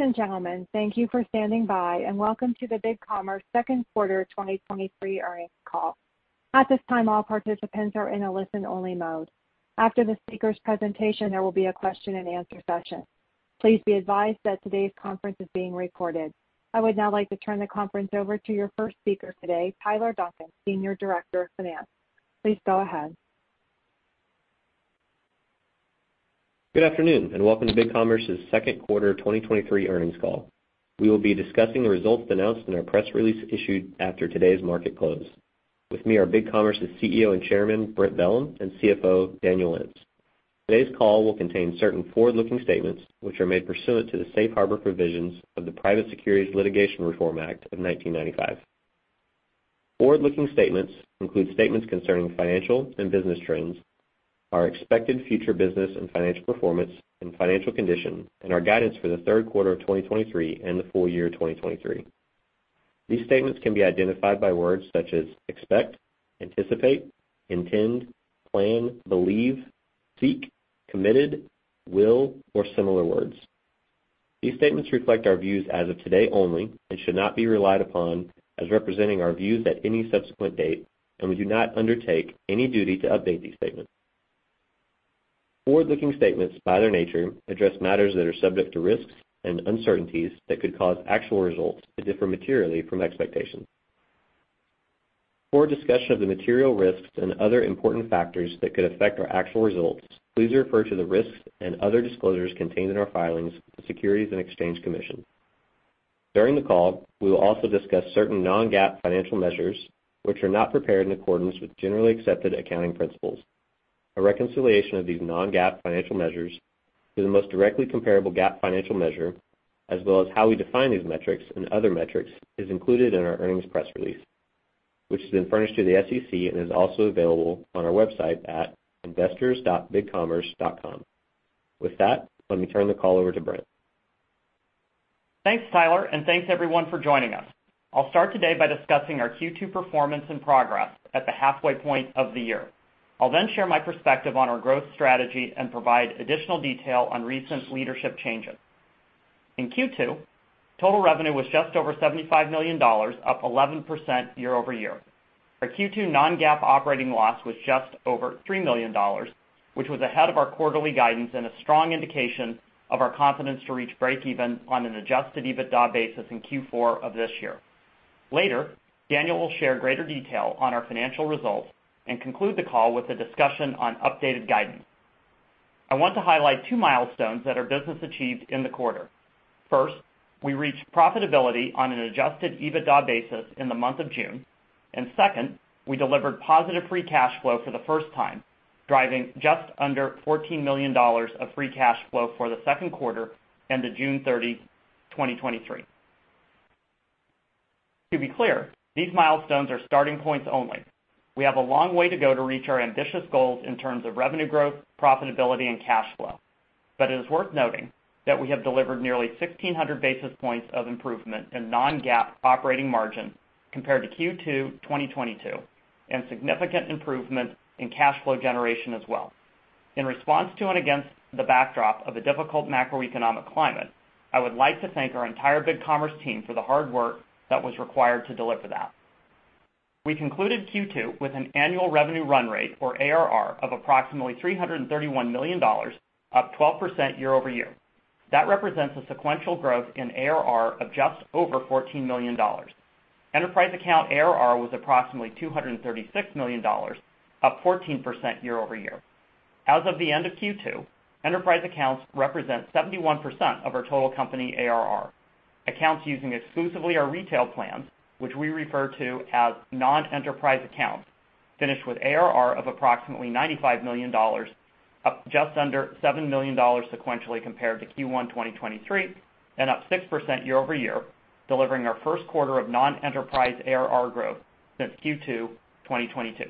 Ladies and gentlemen, thank you for standing by, and welcome to the BigCommerce Second Quarter 2023 Earnings Call. At this time, all participants are in a listen-only mode. After the speaker's presentation, there will be a question and answer session. Please be advised that today's conference is being recorded. I would now like to turn the conference over to your first speaker today, Tyler Duncan, Senior Director of Finance. Please go ahead. Good afternoon, and welcome to BigCommerce's second quarter 2023 earnings call. We will be discussing the results announced in our press release issued after today's market close. With me are BigCommerce's CEO and Chairman, Brent Bellm, and CFO, Daniel Lentz. Today's call will contain certain forward-looking statements, which are made pursuant to the safe harbor provisions of the Private Securities Litigation Reform Act of 1995. Forward-looking statements include statements concerning financial and business trends, our expected future business and financial performance and financial condition, and our guidance for the third quarter of 2023 and the full year 2023. These statements can be identified by words such as expect, anticipate, intend, plan, believe, seek, committed, will, or similar words. These statements reflect our views as of today only and should not be relied upon as representing our views at any subsequent date, and we do not undertake any duty to update these statements. Forward-looking statements, by their nature, address matters that are subject to risks and uncertainties that could cause actual results to differ materially from expectations. For a discussion of the material risks and other important factors that could affect our actual results, please refer to the risks and other disclosures contained in our filings with the Securities and Exchange Commission. During the call, we will also discuss certain non-GAAP financial measures, which are not prepared in accordance with generally accepted accounting principles. A reconciliation of these non-GAAP financial measures to the most directly comparable GAAP financial measure, as well as how we define these metrics and other metrics, is included in our earnings press release, which has been furnished to the SEC and is also available on our website at investors.bigcommerce.com. With that, let me turn the call over to Brent. Thanks, Tyler. Thanks everyone for joining us. I'll start today by discussing our second quarter performance and progress at the halfway point of the year. I'll share my perspective on our growth strategy and provide additional detail on recent leadership changes. In second quarter, total revenue was just over $75 million, up 11% year-over-year. Our second quarter non-GAAP operating loss was just over $3 million, which was ahead of our quarterly guidance and a strong indication of our confidence to reach breakeven on an Adjusted EBITDA basis in fourth quarter of this year. Later, Daniel will share greater detail on our financial results and conclude the call with a discussion on updated guidance. I want to highlight two milestones that our business achieved in the quarter. First, we reached profitability on an Adjusted EBITDA basis in the month of June. Second, we delivered positive free cash flow for the first time, driving just under $14 million of free cash flow for the second quarter and to June 30, 2023. To be clear, these milestones are starting points only. We have a long way to go to reach our ambitious goals in terms of revenue growth, profitability, and cash flow. It is worth noting that we have delivered nearly 1,600 basis points of improvement in non-GAAP operating margin compared to second quarter 2022, and significant improvement in cash flow generation as well. In response to and against the backdrop of a difficult macroeconomic climate, I would like to thank our entire BigCommerce team for the hard work that was required to deliver that. We concluded second quarter with an annual revenue run rate, or ARR, of approximately $331 million, up 12% year-over-year. That represents a sequential growth in ARR of just over $14 million. Enterprise account ARR was approximately $236 million, up 14% year-over-year. As of the end of second quarter, enterprise accounts represent 71% of our total company ARR. Accounts using exclusively our retail plans, which we refer to as non-enterprise accounts, finished with ARR of approximately $95 million, up just under $7 million sequentially compared to first quarter 2023, and up 6% year-over-year, delivering our first quarter of non-enterprise ARR growth since second quarter 2022.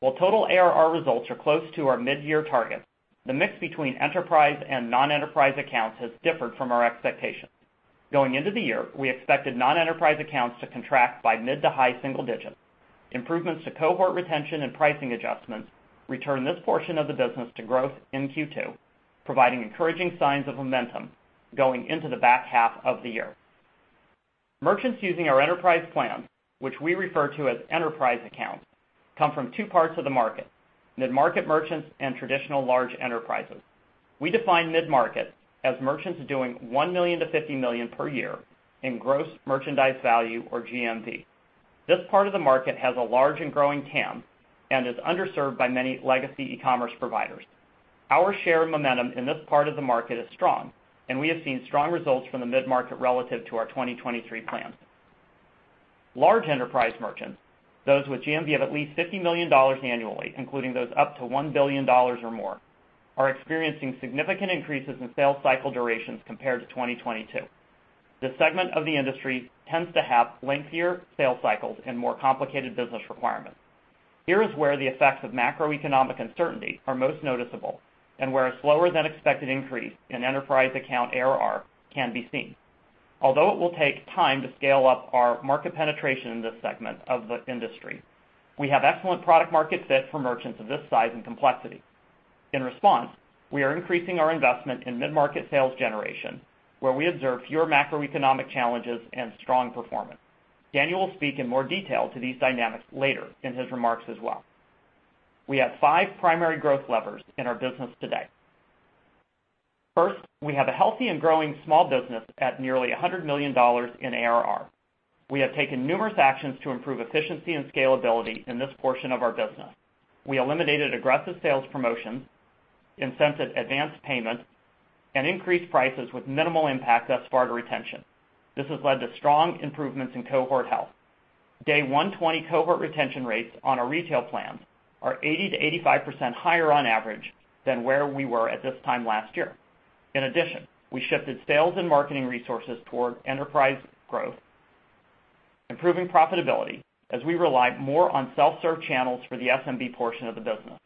While total ARR results are close to our midyear targets, the mix between enterprise and non-enterprise accounts has differed from our expectations. Going into the year, we expected non-enterprise accounts to contract by mid to high single digits. Improvements to cohort retention and pricing adjustments returned this portion of the business to growth in second quarter, providing encouraging signs of momentum going into the back half of the year. Merchants using our enterprise plan, which we refer to as enterprise accounts, come from two parts of the market: mid-market merchants and traditional large enterprises. We define mid-market as merchants doing $1 to 50 million per year in gross merchandise value or GMV. This part of the market has a large and growing TAM and is underserved by many legacy e-commerce providers. Our share and momentum in this part of the market is strong, and we have seen strong results from the mid-market relative to our 2023 plans. Large enterprise merchants, those with GMV of at least $50 million annually, including those up to $1 billion or more, are experiencing significant increases in sales cycle durations compared to 2022. This segment of the industry tends to have lengthier sales cycles and more complicated business requirements. Here is where the effects of macroeconomic uncertainty are most noticeable and where a slower-than-expected increase in enterprise account ARR can be seen. It will take time to scale up our market penetration in this segment of the industry, we have excellent product market fit for merchants of this size and complexity. In response, we are increasing our investment in mid-market sales generation, where we observe fewer macroeconomic challenges and strong performance. Daniel will speak in more detail to these dynamics later in his remarks as well. We have five primary growth levers in our business today. First, we have a healthy and growing small business at nearly $100 million in ARR. We have taken numerous actions to improve efficiency and scalability in this portion of our business. We eliminated aggressive sales promotions, incented advanced payments, and increased prices with minimal impact thus far to retention. This has led to strong improvements in cohort health. Day 120 cohort retention rates on our retail plans are 80% to 85% higher on average than where we were at this time last year. In addition, we shifted sales and marketing resources toward enterprise growth, improving profitability as we relied more on self-serve channels for the SMB portion of the business.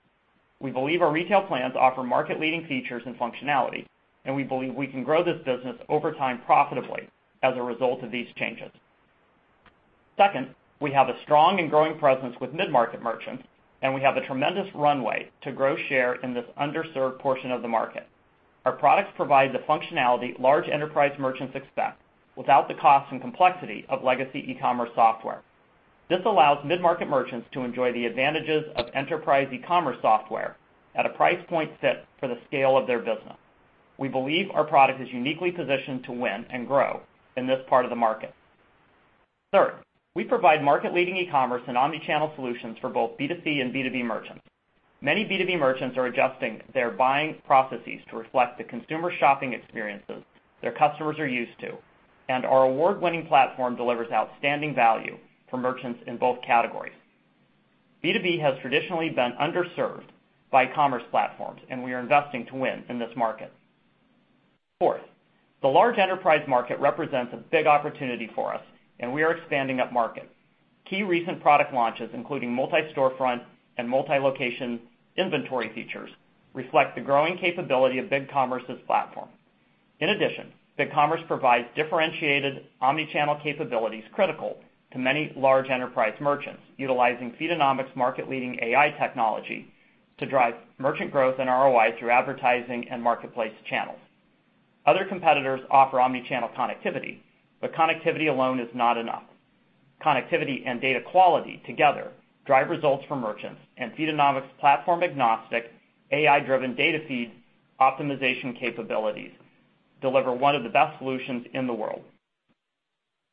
We believe our retail plans offer market-leading features and functionality, and we believe we can grow this business over time profitably as a result of these changes. Second, we have a strong and growing presence with mid-market merchants, and we have a tremendous runway to grow share in this underserved portion of the market. Our products provide the functionality large enterprise merchants expect, without the cost and complexity of legacy e-commerce software. This allows mid-market merchants to enjoy the advantages of enterprise e-commerce software at a price point fit for the scale of their business. We believe our product is uniquely positioned to win and grow in this part of the market. Third, we provide market-leading e-commerce and omni-channel solutions for both B2C and B2B merchants. Many B2B merchants are adjusting their buying processes to reflect the consumer shopping experiences their customers are used to, and our award-winning platform delivers outstanding value for merchants in both categories. B2B has traditionally been underserved by commerce platforms, and we are investing to win in this market. Fourth, the large enterprise market represents a big opportunity for us. We are expanding upmarket. Key recent product launches, including Multi-Storefront and Multi-Location Inventory features, reflect the growing capability of BigCommerce's platform. In addition, BigCommerce provides differentiated omni-channel capabilities critical to many large enterprise merchants, utilizing Feedonomics market-leading AI technology to drive merchant growth and ROI through advertising and marketplace channels. Other competitors offer omni-channel connectivity. Connectivity alone is not enough. Connectivity and data quality together drive results for merchants. Feedonomics' platform-agnostic, AI-driven data feed optimization capabilities deliver one of the best solutions in the world.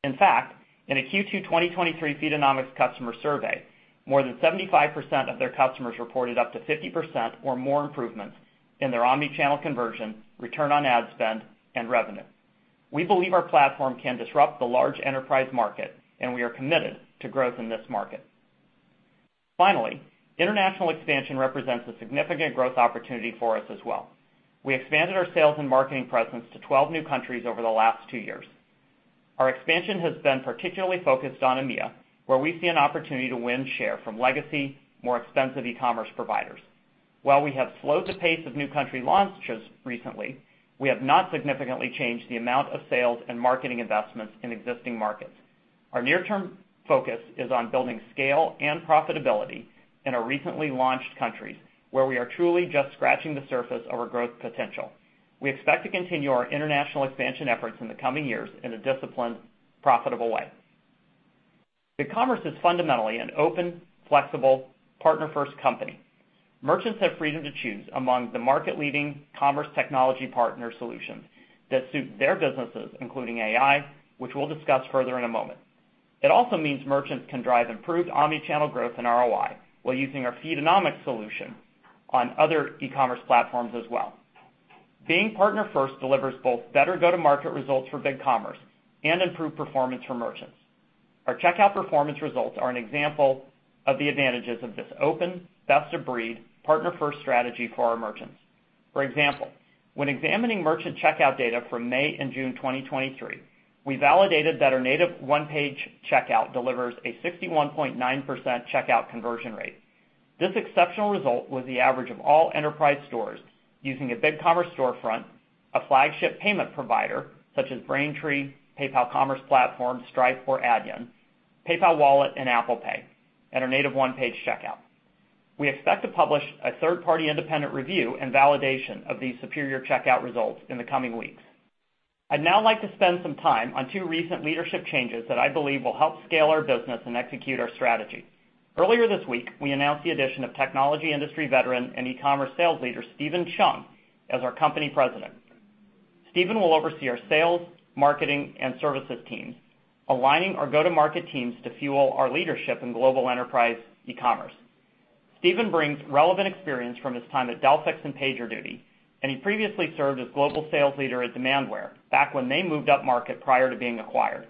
In fact, in a second quarter 2023 Feedonomics customer survey, more than 75% of their customers reported up to 50% or more improvements in their omni-channel conversion, return on ad spend, and revenue. We believe our platform can disrupt the large enterprise market, and we are committed to growth in this market. Finally, international expansion represents a significant growth opportunity for us as well. We expanded our sales and marketing presence to 12 new countries over the last two years. Our expansion has been particularly focused on EMEA, where we see an opportunity to win share from legacy, more expensive ecommerce providers. While we have slowed the pace of new country launches recently, we have not significantly changed the amount of sales and marketing investments in existing markets. Our near-term focus is on building scale and profitability in our recently launched countries, where we are truly just scratching the surface of our growth potential. We expect to continue our international expansion efforts in the coming years in a disciplined, profitable way. BigCommerce is fundamentally an open, flexible, partner-first company. Merchants have freedom to choose among the market-leading commerce technology partner solutions that suit their businesses, including AI, which we'll discuss further in a moment. It also means merchants can drive improved omni-channel growth and ROI while using our Feedonomics solution on other e-commerce platforms as well. Being partner first delivers both better go-to-market results for BigCommerce and improved performance for merchants. Our checkout performance results are an example of the advantages of this open, best-of-breed, partner-first strategy for our merchants. For example, when examining merchant checkout data from May and June 2023, we validated that our native one-page checkout delivers a 61.9% checkout conversion rate. This exceptional result was the average of all enterprise stores using a BigCommerce storefront, a flagship payment provider such as Braintree, PayPal Commerce Platform, Stripe, or Adyen, PayPal Wallet and Apple Pay, and our native one-page checkout. We expect to publish a third-party independent review and validation of these superior checkout results in the coming weeks. I'd now like to spend some time on two recent leadership changes that I believe will help scale our business and execute our strategy. Earlier this week, we announced the addition of technology industry veteran and e-commerce sales leader, Steven Chung, as our company President. Steven will oversee our sales, marketing, and services teams, aligning our go-to-market teams to fuel our leadership in global enterprise e-commerce. Steven brings relevant experience from his time at Delphix and PagerDuty, and he previously served as global sales leader at Demandware back when they moved upmarket prior to being acquired.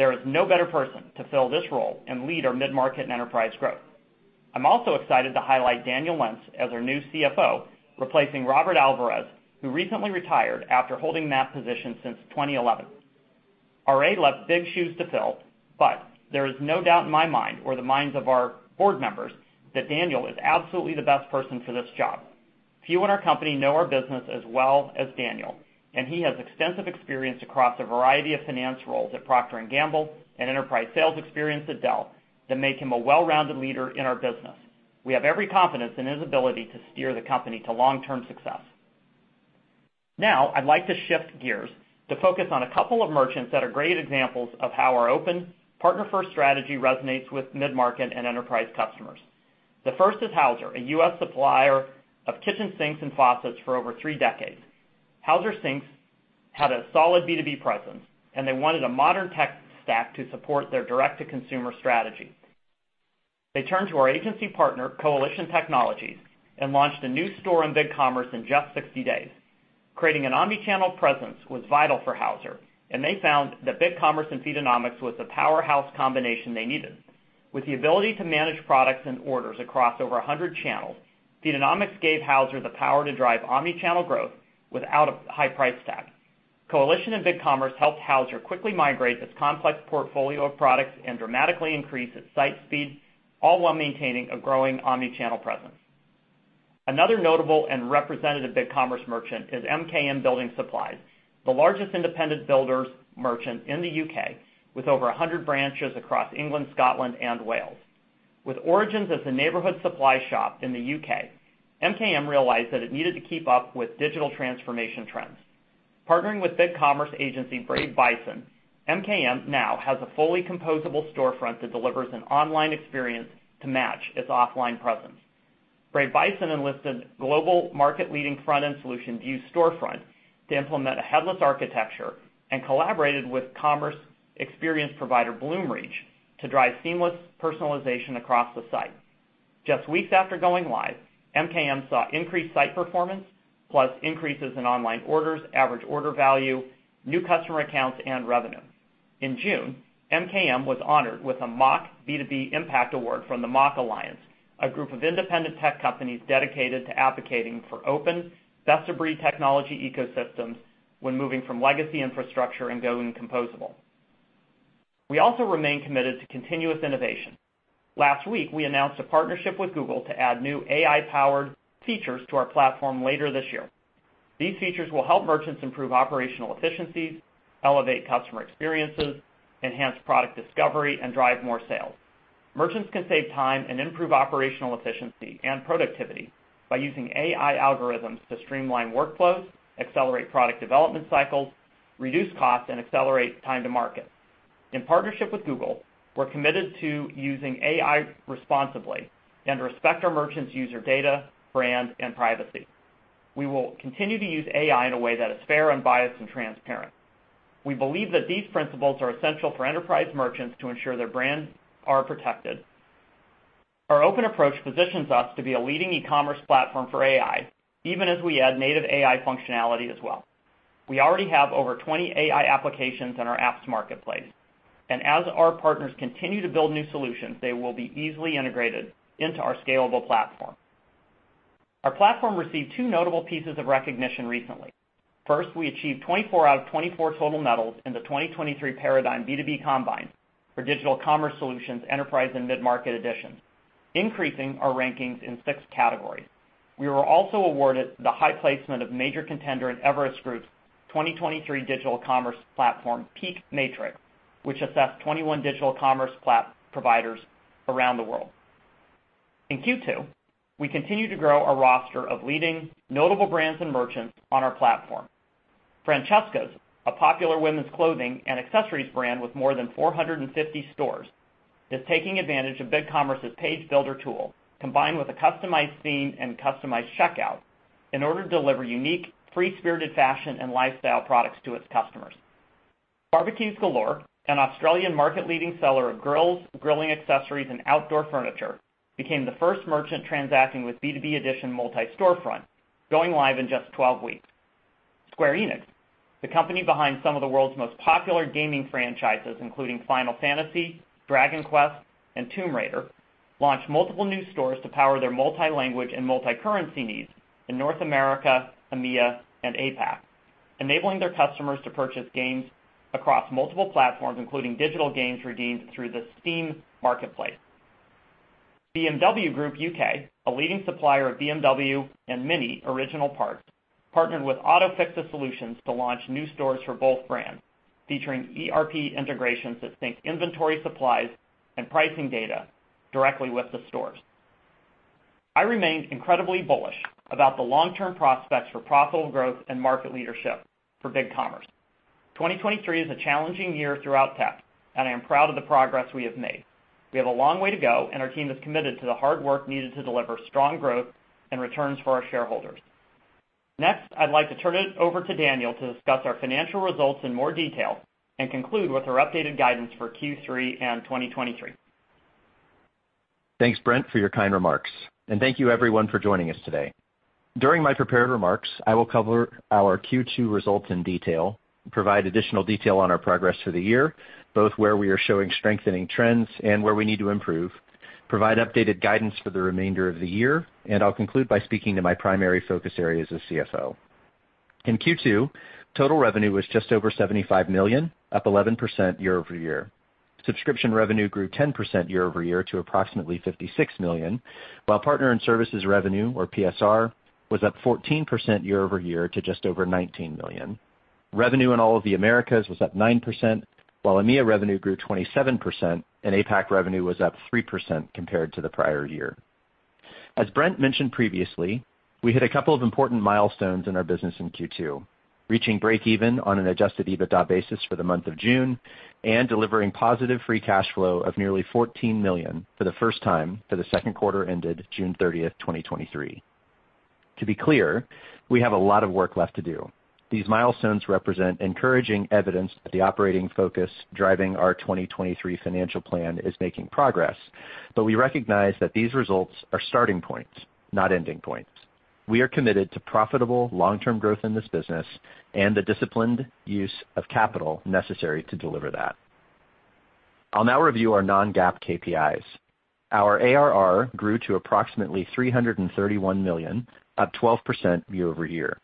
There is no better person to fill this role and lead our mid-market and enterprise growth. I'm also excited to highlight Daniel Lentz as our new CFO, replacing Robert Alvarez, who recently retired after holding that position since 2011. RA left big shoes to fill, but there is no doubt in my mind or the minds of our board members that Daniel is absolutely the best person for this job. Few in our company know our business as well as Daniel, and he has extensive experience across a variety of finance roles at Procter & Gamble and enterprise sales experience at Dell that make him a well-rounded leader in our business. We have every confidence in his ability to steer the company to long-term success. Now, I'd like to shift gears to focus on a couple of merchants that are great examples of how our open partner-first strategy resonates with mid-market and enterprise customers. The first is Hauser, a US supplier of kitchen sinks and faucets for over three decades. Hauser Sinks had a solid B2B presence, and they wanted a modern tech stack to support their direct-to-consumer strategy. They turned to our agency partner, Coalition Technologies, and launched a new store in BigCommerce in just 60 days. Creating an omni-channel presence was vital for Hauser, and they found that BigCommerce and Feedonomics was the powerhouse combination they needed. With the ability to manage products and orders across over 100 channels, Feedonomics gave Hauser the power to drive omni-channel growth without a high price tag. Coalition and BigCommerce helped Hauser quickly migrate its complex portfolio of products and dramatically increase its site speed, all while maintaining a growing omni-channel presence. Another notable and representative BigCommerce merchant is MKM Building Supplies, the largest independent builders merchant in the UK, with over 100 branches across England, Scotland, and Wales. With origins as a neighborhood supply shop in the UK, MKM realized that it needed to keep up with digital transformation trends. Partnering with BigCommerce agency, Brave Bison, MKM now has a fully composable storefront that delivers an online experience to match its offline presence. Brave Bison enlisted global market-leading front-end solution Vue Storefront to implement a headless architecture and collaborated with commerce experience provider, Bloomreach, to drive seamless personalization across the site. Just weeks after going live, MKM saw increased site performance, plus increases in online orders, average order value, new customer accounts, and revenue. In June, MKM was honored with a MACH B2B Impact Award from the MACH Alliance, a group of independent tech companies dedicated to advocating for open, best-of-breed technology ecosystems when moving from legacy infrastructure and going composable. We also remain committed to continuous innovation. Last week, we announced a partnership with Google to add new AI-powered features to our platform later this year. These features will help merchants improve operational efficiencies, elevate customer experiences, enhance product discovery, and drive more sales. Merchants can save time and improve operational efficiency and productivity by using AI algorithms to streamline workflows, accelerate product development cycles, reduce costs, and accelerate time to market. In partnership with Google, we're committed to using AI responsibly and respect our merchants' user data, brand, and privacy. We will continue to use AI in a way that is fair, unbiased, and transparent. We believe that these principles are essential for enterprise merchants to ensure their brands are protected. Our open approach positions us to be a leading e-commerce platform for AI, even as we add native AI functionality as well. We already have over 20 AI applications in our apps marketplace, and as our partners continue to build new solutions, they will be easily integrated into our scalable platform. Our platform received two notable pieces of recognition recently. First, we achieved 24 out of 24 total medals in the 2023 Paradigm B2B Combine for Digital Commerce Solutions, Enterprise and Mid-Market Edition, increasing our rankings in six categories. We were also awarded the high placement of Major Contender in Everest Group's 2023 Digital Commerce Platform PEAK Matrix, which assessed 21 digital commerce providers around the world. In second quarter, we continued to grow our roster of leading notable brands and merchants on our platform. Francesca's, a popular women's clothing and accessories brand with more than 450 stores, is taking advantage of BigCommerce's Page Builder tool, combined with a customized theme and customized checkout, in order to deliver unique, free-spirited fashion and lifestyle products to its customers. Barbecues Galore, an Australian market-leading seller of grills, grilling accessories, and outdoor furniture, became the first merchant transacting with B2B Edition Multi-Storefront, going live in just 12 weeks. Square Enix, the company behind some of the world's most popular gaming franchises, including Final Fantasy, Dragon Quest, and Tomb Raider, launched multiple new stores to power their multi-language and multi-currency needs in North America, EMEA, and APAC, enabling their customers to purchase games across multiple platforms, including digital games redeemed through the Steam marketplace. BMW Group UK, a leading supplier of BMW and Mini original parts, partnered with Autofixa Solutions to launch new stores for both brands, featuring ERP integrations that sync inventory, supplies, and pricing data directly with the stores. I remain incredibly bullish about the long-term prospects for profitable growth and market leadership for BigCommerce. 2023 is a challenging year throughout tech, and I am proud of the progress we have made. We have a long way to go, and our team is committed to the hard work needed to deliver strong growth and returns for our shareholders. Next, I'd like to turn it over to Daniel to discuss our financial results in more detail and conclude with our updated guidance for third quarter and 2023. Thanks, Brent, for your kind remarks. Thank you everyone for joining us today. During my prepared remarks, I will cover our second quarter results in detail, provide additional detail on our progress for the year, both where we are showing strengthening trends and where we need to improve, provide updated guidance for the remainder of the year. I'll conclude by speaking to my primary focus areas as CFO. In second quarter, total revenue was just over $75 million, up 11% year-over-year. Subscription revenue grew 10% year-over-year to approximately $56 million, while partner and services revenue, or PSR, was up 14% year-over-year to just over $19 million. Revenue in all of the Americas was up 9%, while EMEA revenue grew 27%, and APAC revenue was up 3% compared to the prior year. As Brent mentioned previously, we hit a couple of important milestones in our business in second quarter, reaching breakeven on an Adjusted EBITDA basis for the month of June and delivering positive free cash flow of nearly $14 million for the first time for the second quarter, ended June 30, 2023. To be clear, we have a lot of work left to do. These milestones represent encouraging evidence that the operating focus driving our 2023 financial plan is making progress, but we recognize that these results are starting points, not ending points. We are committed to profitable long-term growth in this business and the disciplined use of capital necessary to deliver that. I'll now review our non-GAAP KPIs. Our ARR grew to approximately $331 million, up 12% year-over-year.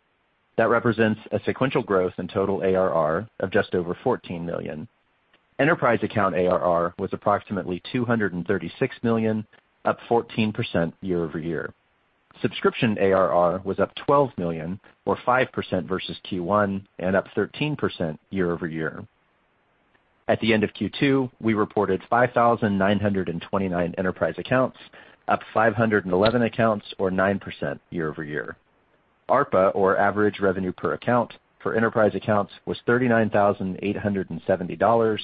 That represents a sequential growth in total ARR of just over $14 million. Enterprise account ARR was approximately $236 million, up 14% year-over-year. Subscription ARR was up $12 million, or 5% versus first quarter, and up 13% year-over-year. At the end of second quarter, we reported 5,929 enterprise accounts, up 511 accounts or 9% year-over-year. ARPA, or average revenue per account, for enterprise accounts, was $39,870,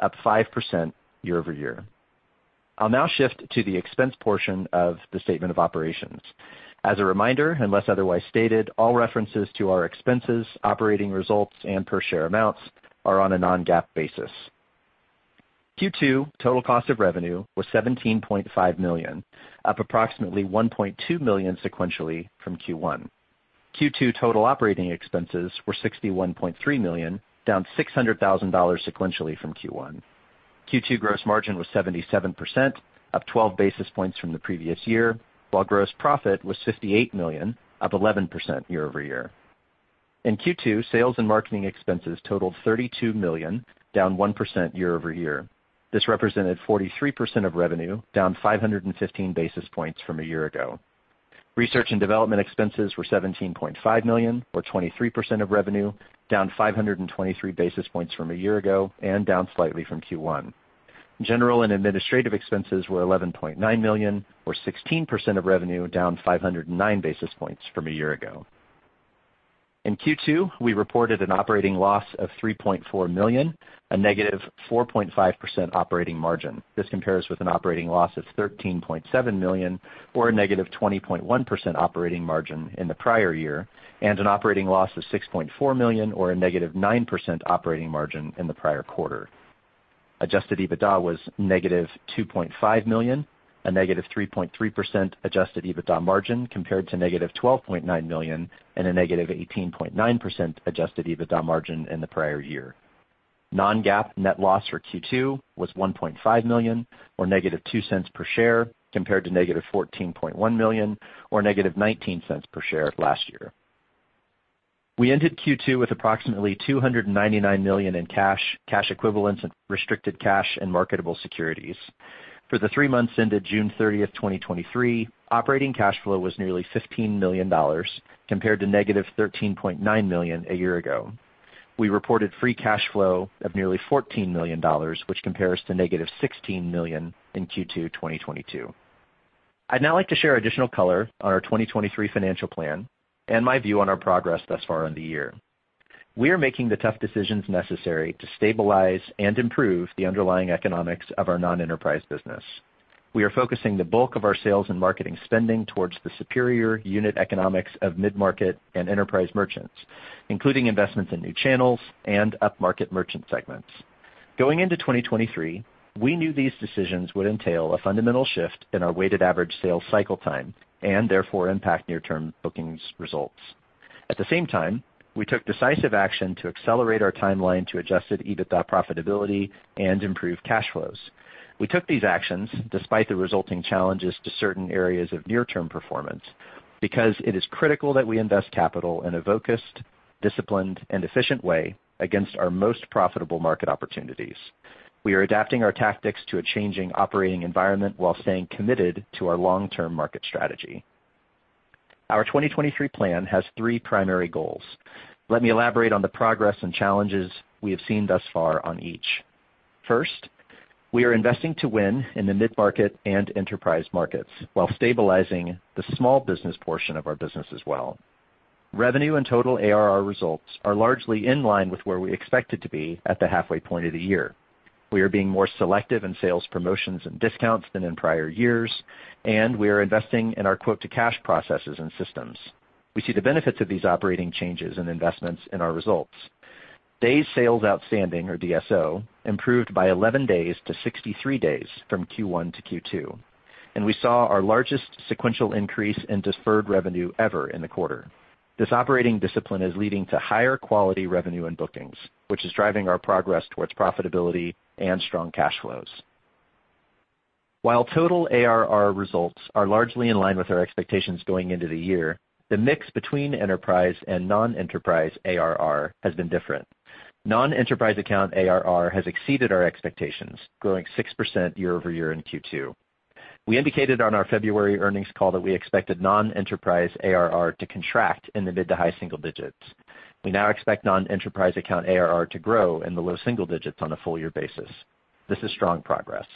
up 5% year-over-year. I'll now shift to the expense portion of the statement of operations. As a reminder, unless otherwise stated, all references to our expenses, operating results, and per share amounts are on a non-GAAP basis. second quarter total cost of revenue was $17.5 million, up approximately $1.2 million sequentially from first quarter. second quarter total operating expenses were $61.3 million, down $600,000 sequentially from first quarter. second quarter gross margin was 77%, up 12 basis points from the previous year, while gross profit was $58 million, up 11% year-over-year. In second quarter, sales and marketing expenses totaled $32 million, down 1% year-over-year. This represented 43% of revenue, down 515 basis points from a year ago. Research and development expenses were $17.5 million, or 23% of revenue, down 523 basis points from a year ago and down slightly from first quarter. General and administrative expenses were $11.9 million, or 16% of revenue, down 509 basis points from a year ago. In second quarter, we reported an operating loss of $3.4 million, a negative 4.5% operating margin. This compares with an operating loss of $13.7 million, or a -20.1% operating margin in the prior year, and an operating loss of $6.4 million, or a -9% operating margin in the prior quarter. Adjusted EBITDA was -$2.5 million, a -3.3% Adjusted EBITDA margin, compared to -$12.9 million and a -18.9% Adjusted EBITDA margin in the prior year. Non-GAAP net loss for second quarter was $1.5 million, or -$0.02 per share, compared to -$14.1 million, or -$0.19 per share last year. We ended second quarter with approximately $299 million in cash, cash equivalents, and restricted cash and marketable securities. For the three months ended 30 June 2023, operating cash flow was nearly $15 million, compared to negative $13.9 million a year ago. We reported free cash flow of nearly $14 million, which compares to negative $16 million in second quarter 2022. I'd now like to share additional color on our 2023 financial plan and my view on our progress thus far in the year. We are making the tough decisions necessary to stabilize and improve the underlying economics of our non-enterprise business. We are focusing the bulk of our sales and marketing spending towards the superior unit economics of mid-market and enterprise merchants, including investments in new channels and upmarket merchant segments. Going into 2023, we knew these decisions would entail a fundamental shift in our weighted average sales cycle time and therefore impact near-term bookings results. At the same time, we took decisive action to accelerate our timeline to Adjusted EBITDA profitability and improve cash flows. We took these actions despite the resulting challenges to certain areas of near-term performance, because it is critical that we invest capital in a focused, disciplined, and efficient way against our most profitable market opportunities. We are adapting our tactics to a changing operating environment while staying committed to our long-term market strategy. Our 2023 plan has three primary goals. Let me elaborate on the progress and challenges we have seen thus far on each. First, we are investing to win in the mid-market and enterprise markets while stabilizing the small business portion of our business as well. Revenue and total ARR results are largely in line with where we expected to be at the halfway point of the year. We are being more selective in sales, promotions, and discounts than in prior years, and we are investing in our quote to cash processes and systems. We see the benefits of these operating changes and investments in our results. Days sales outstanding, or DSO, improved by 11 days to 63 days from first quarter to second quarter, and we saw our largest sequential increase in deferred revenue ever in the quarter. This operating discipline is leading to higher quality revenue and bookings, which is driving our progress towards profitability and strong cash flows. While total ARR results are largely in line with our expectations going into the year, the mix between enterprise and non-enterprise ARR has been different. Non-enterprise account ARR has exceeded our expectations, growing 6% year-over-year in second quarter. We indicated on our February earnings call that we expected non-enterprise ARR to contract in the mid to high single digits. We now expect non-enterprise account ARR to grow in the low single digits on a full year basis. This is strong progress.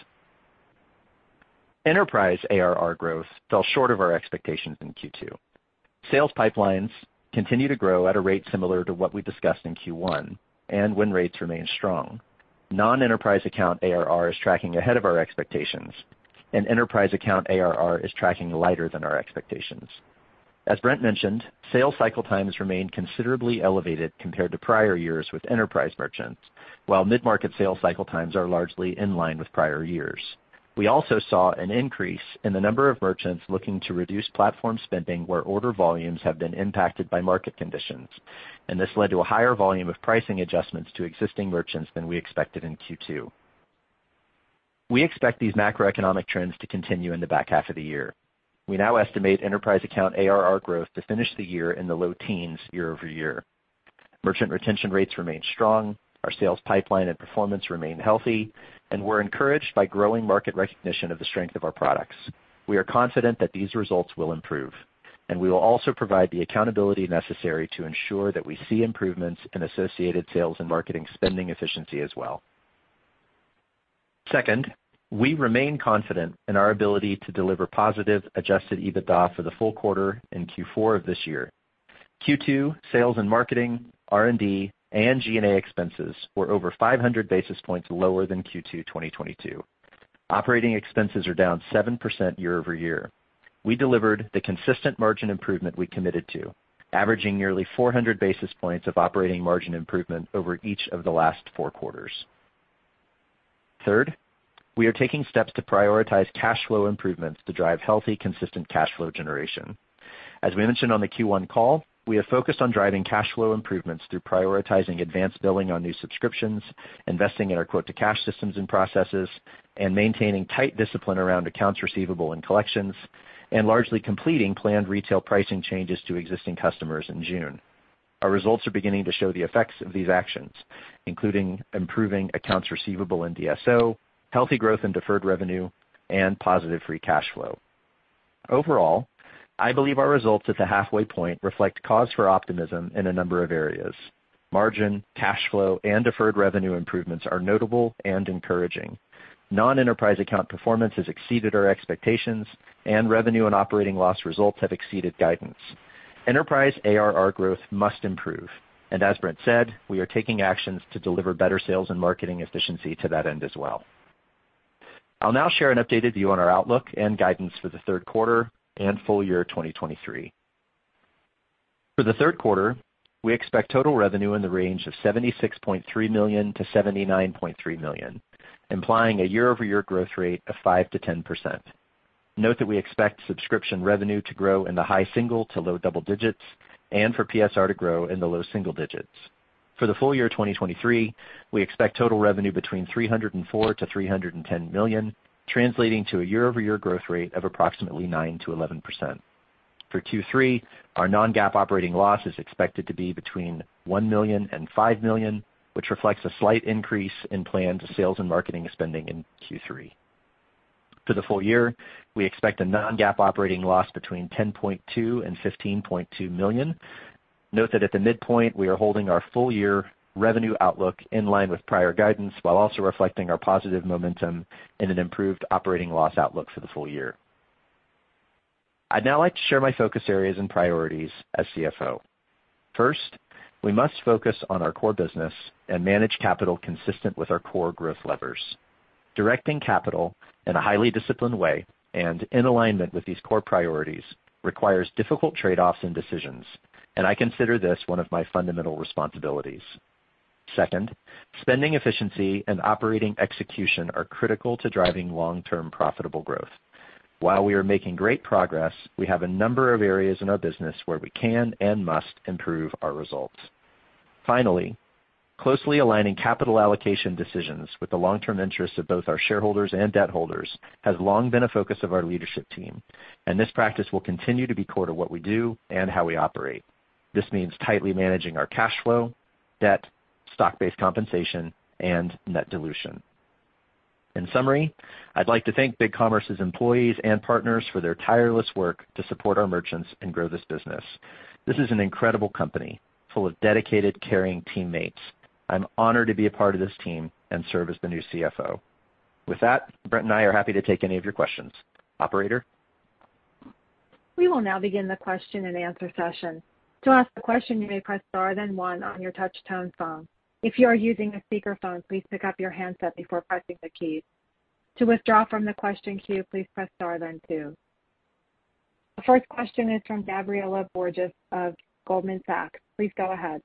Enterprise ARR growth fell short of our expectations in second quarter. Sales pipelines continue to grow at a rate similar to what we discussed in first quarter, and win rates remain strong. Non-enterprise account ARR is tracking ahead of our expectations, and enterprise account ARR is tracking lighter than our expectations. As Brent mentioned, sales cycle times remain considerably elevated compared to prior years with enterprise merchants, while mid-market sales cycle times are largely in line with prior years. We also saw an increase in the number of merchants looking to reduce platform spending, where order volumes have been impacted by market conditions, and this led to a higher volume of pricing adjustments to existing merchants than we expected in second quarter. We expect these macroeconomic trends to continue in the back half of the year. We now estimate enterprise account ARR growth to finish the year in the low teens year-over-year. Merchant retention rates remain strong, our sales pipeline and performance remain healthy, and we're encouraged by growing market recognition of the strength of our products. We are confident that these results will improve, and we will also provide the accountability necessary to ensure that we see improvements in associated sales and marketing spending efficiency as well. Second, we remain confident in our ability to deliver positive Adjusted EBITDA for the full quarter in fourth quarter of this year. second quarter sales and marketing, R&D, and G&A expenses were over 500 basis points lower than second quarter 2022. Operating expenses are down 7% year-over-year. We delivered the consistent margin improvement we committed to, averaging nearly 400 basis points of operating margin improvement over each of the last four quarters. Third, we are taking steps to prioritize cash flow improvements to drive healthy, consistent cash flow generation. As we mentioned on the first quarter call, we have focused on driving cash flow improvements through prioritizing advanced billing on new subscriptions, investing in our quote-to-cash systems and processes, and maintaining tight discipline around accounts receivable and collections, and largely completing planned retail pricing changes to existing customers in June. Our results are beginning to show the effects of these actions, including improving accounts receivable in DSO, healthy growth in deferred revenue, and positive free cash flow. Overall, I believe our results at the halfway point reflect cause for optimism in a number of areas. Margin, cash flow, and deferred revenue improvements are notable and encouraging. Non-enterprise account performance has exceeded our expectations, and revenue and operating loss results have exceeded guidance. Enterprise ARR growth must improve, and as Brent said, we are taking actions to deliver better sales and marketing efficiency to that end as well. I'll now share an updated view on our outlook and guidance for the third quarter and full year 2023. For the third quarter, we expect total revenue in the range of $76.3 to 79.3 million, implying a year-over-year growth rate of 5% to 10%. Note that we expect subscription revenue to grow in the high single to low double digits and for PSR to grow in the low single digits. For the full year 2023, we expect total revenue between $304 million and $310 million, translating to a year-over-year growth rate of approximately 9% to 11%. For third quarter, our non-GAAP operating loss is expected to be between $1 million and $5 million, which reflects a slight increase in planned sales and marketing spending in third quarter. For the full year, we expect a non-GAAP operating loss between $10.2 million and $15.2 million. Note that at the midpoint, we are holding our full year revenue outlook in line with prior guidance, while also reflecting our positive momentum in an improved operating loss outlook for the full year. I'd now like to share my focus areas and priorities as CFO. First, we must focus on our core business and manage capital consistent with our core growth levers. Directing capital in a highly disciplined way and in alignment with these core priorities requires difficult trade-offs and decisions. I consider this one of my fundamental responsibilities. Second, spending efficiency and operating execution are critical to driving long-term profitable growth. While we are making great progress, we have a number of areas in our business where we can and must improve our results. Finally, closely aligning capital allocation decisions with the long-term interests of both our shareholders and debt holders has long been a focus of our leadership team. This practice will continue to be core to what we do and how we operate. This means tightly managing our cash flow, debt, stock-based compensation, and net dilution. In summary, I'd like to thank BigCommerce's employees and partners for their tireless work to support our merchants and grow this business. This is an incredible company, full of dedicated, caring teammates. I'm honored to be a part of this team and serve as the new CFO. With that, Brent and I are happy to take any of your questions. Operator? We will now begin the question-and-answer session. To ask a question, you may press star then one on your touch tone phone. If you are using a speakerphone, please pick up your handset before pressing the keys. To withdraw from the question queue, please press star then two. The first question is from Gabriela Borges of Goldman Sachs. Please go ahead.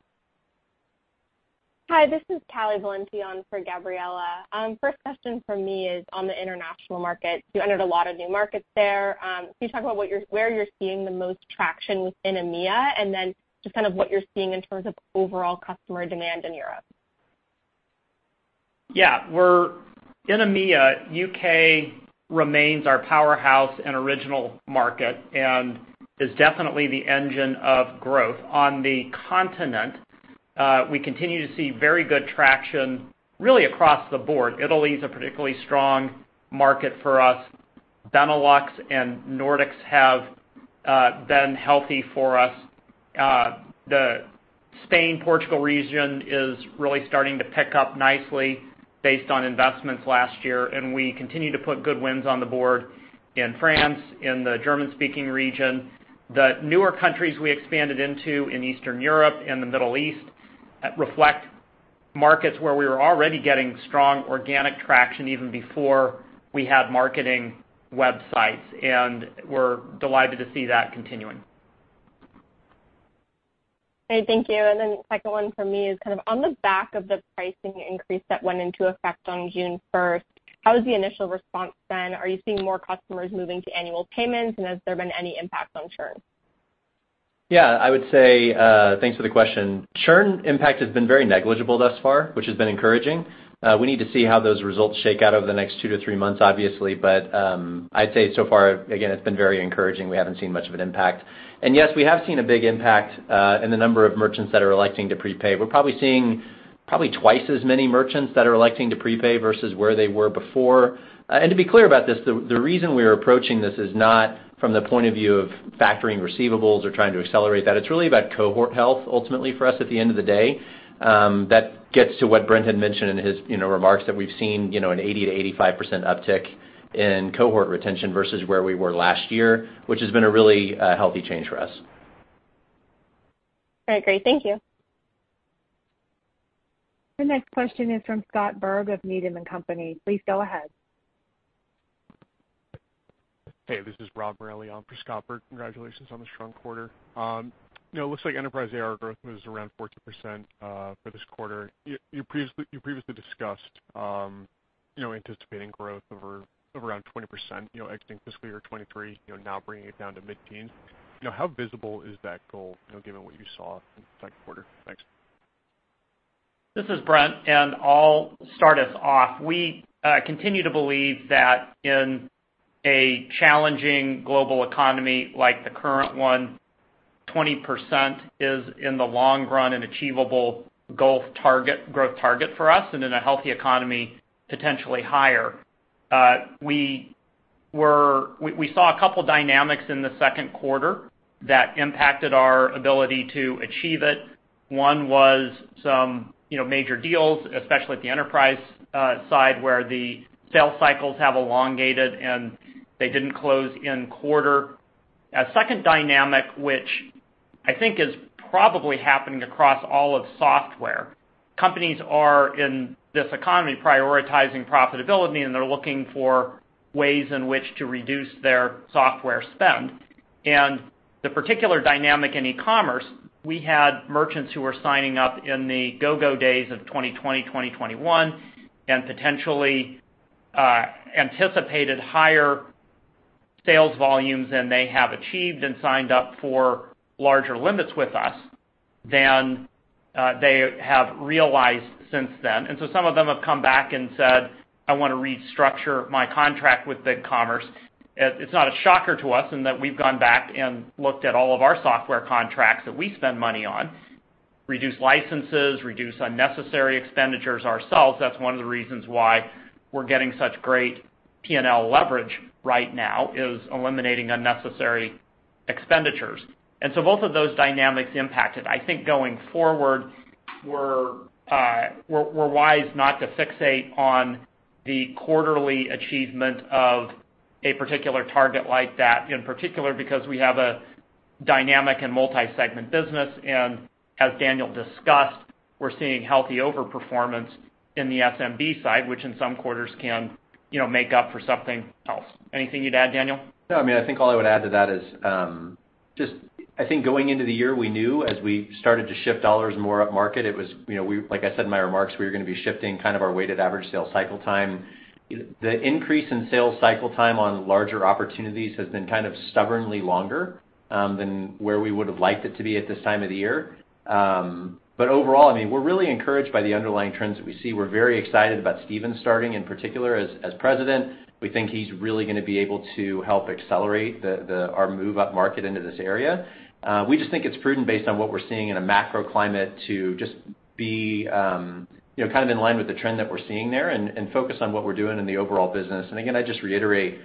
Hi, this is Callie Valenti on for Gabriela. First question from me is on the international market. You entered a lot of new markets there. Can you talk about where you're seeing the most traction within EMEA, and then just kind of what you're seeing in terms of overall customer demand in Europe? In EMEA, UK remains our powerhouse and original market, and is definitely the engine of growth. On the continent, we continue to see very good traction, really, across the board. Italy is a particularly strong market for us. Benelux and Nordics have been healthy for us. The Spain, Portugal region is really starting to pick up nicely based on investments last year, and we continue to put good wins on the board in France, in the German-speaking region. The newer countries we expanded into in Eastern Europe and the Middle East, reflect markets where we were already getting strong organic traction even before we had marketing websites, and we're delighted to see that continuing. Okay, thank you. Then the second one for me is kind of on the back of the pricing increase that went into effect on 1 June 2023, how has the initial response been? Are you seeing more customers moving to annual payments, and has there been any impact on churn? Yeah, I would say, thanks for the question. Churn impact has been very negligible thus far, which has been encouraging. We need to see how those results shake out over the next two to three months, obviously, but, I'd say so far, again, it's been very encouraging. We haven't seen much of an impact. Yes, we have seen a big impact, in the number of merchants that are electing to prepay. We're probably seeing probably twice as many merchants that are electing to prepay versus where they were before. And to be clear about this, the reason we are approaching this is not from the point of view of factoring receivables or trying to accelerate that, it's really about cohort health, ultimately, for us, at the end of the day. That gets to what Brent had mentioned in his, you know, remarks, that we've seen, you know, an 80% to 85% uptick in cohort retention versus where we were last year, which has been a really, healthy change for us. All right, great. Thank you. The next question is from Scott Berg of Needham & Company. Please go ahead. Hey, this is Rob Morelli in for Scott Berg. Congratulations on the strong quarter. You know, it looks like enterprise AR growth was around 14% for this quarter. You, you previously, you previously discussed, you know, anticipating growth over, around 20%, you know, exiting fiscal year 2023, you know, now bringing it down to mid-teens. You know, how visible is that goal, you know, given what you saw in the second quarter? Thanks. This is Brent. I'll start us off. We continue to believe that in a challenging global economy like the current one, 20% is, in the long run, an achievable goal target- growth target for us. In a healthy economy, potentially higher. We saw a couple of dynamics in the second quarter that impacted our ability to achieve it. One was some, you know, major deals, especially at the enterprise side, where the sales cycles have elongated. They didn't close in quarter. A second dynamic, which I think is probably happening across all of software, companies are, in this economy, prioritizing profitability. They're looking for ways in which to reduce their software spend. The particular dynamic in e-commerce, we had merchants who were signing up in the go-go days of 2020, 2021, and potentially anticipated higher sales volumes than they have achieved and signed up for larger limits with us than they have realized since then. So some of them have come back and said, "I want to restructure my contract with BigCommerce." It's not a shocker to us, in that we've gone back and looked at all of our software contracts that we spend money on, reduced licenses, reduced unnecessary expenditures ourselves. That's one of the reasons why we're getting such great P&L leverage right now, is eliminating unnecessary expenditures. So both of those dynamics impacted. I think going forward, we're, we're, we're wise not to fixate on the quarterly achievement of a particular target like that, in particular, because we have a dynamic and multi-segment business, and as Daniel discussed, we're seeing healthy overperformance in the SMB side, which in some quarters can, you know, make up for something else. Anything you'd add, Daniel? No, I mean, I think all I would add to that is, just I think going into the year, we knew as we started to shift dollars more up market, it was, you know, like I said in my remarks, we were gonna be shifting kind of our weighted average sales cycle time. The increase in sales cycle time on larger opportunities has been kind of stubbornly longer, than where we would have liked it to be at this time of the year. Overall, I mean, we're really encouraged by the underlying trends that we see. We're very excited about Steven starting, in particular, as president. We think he's really gonna be able to help accelerate our move up market into this area. We just think it's prudent, based on what we're seeing in a macro climate, to just be, you know, kind of in line with the trend that we're seeing there and focus on what we're doing in the overall business. Again, I just reiterate,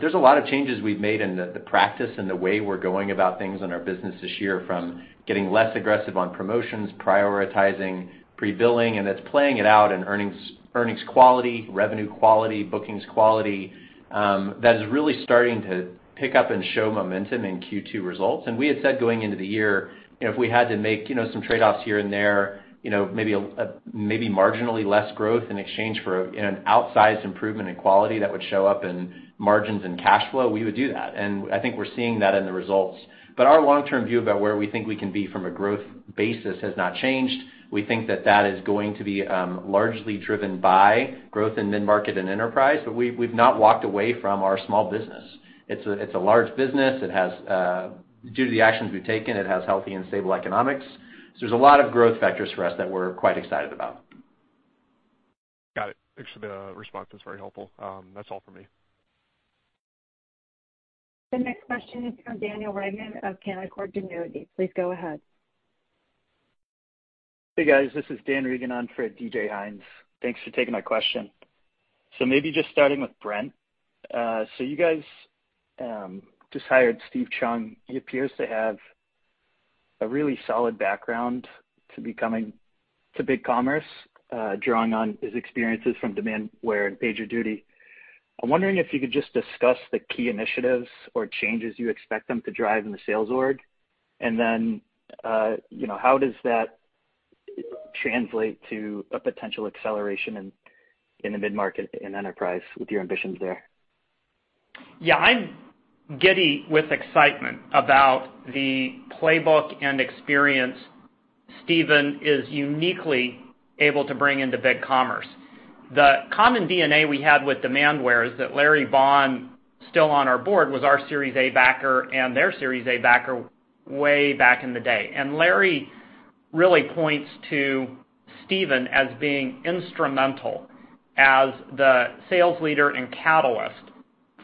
there's a lot of changes we've made in the practice and the way we're going about things in our business this year, from getting less aggressive on promotions, prioritizing pre-billing, and it's playing it out in earnings, earnings quality, revenue quality, bookings quality, that is really starting to pick up and show momentum in second quarter results. We had said going into the year, you know, if we had to make, you know, some trade-offs here and there, you know, maybe a, maybe marginally less growth in exchange for an outsized improvement in quality that would show up in margins and cash flow, we would do that. I think we're seeing that in the results. Our long-term view about where we think we can be from a growth basis has not changed. We think that that is going to be largely driven by growth in mid-market and enterprise, but we've, we've not walked away from our small business. It's a, it's a large business, it has due to the actions we've taken, it has healthy and stable economics. There's a lot of growth vectors for us that we're quite excited about. Thanks for the response. That's very helpful. That's all for me. The next question is from Daniel Reagan of Canaccord Genuity. Please go ahead. Hey, guys, this is Dan Reagan on for DJ Hynes. Thanks for taking my question. Maybe just starting with Brent. You guys just hired Steve Chung. He appears to have a really solid background to be coming to BigCommerce, drawing on his experiences from Demandware and PagerDuty. I'm wondering if you could just discuss the key initiatives or changes you expect them to drive in the sales org, and then, you know, how does that translate to a potential acceleration in, in the mid-market and enterprise with your ambitions there? Yeah, I'm giddy with excitement about the playbook and experience Steve Chung is uniquely able to bring into BigCommerce. The common DNA we had with Demandware is that Larry Bohn, still on our board, was our Series A backer and their Series A backer way back in the day. Larry really points to Steven as being instrumental as the sales leader and catalyst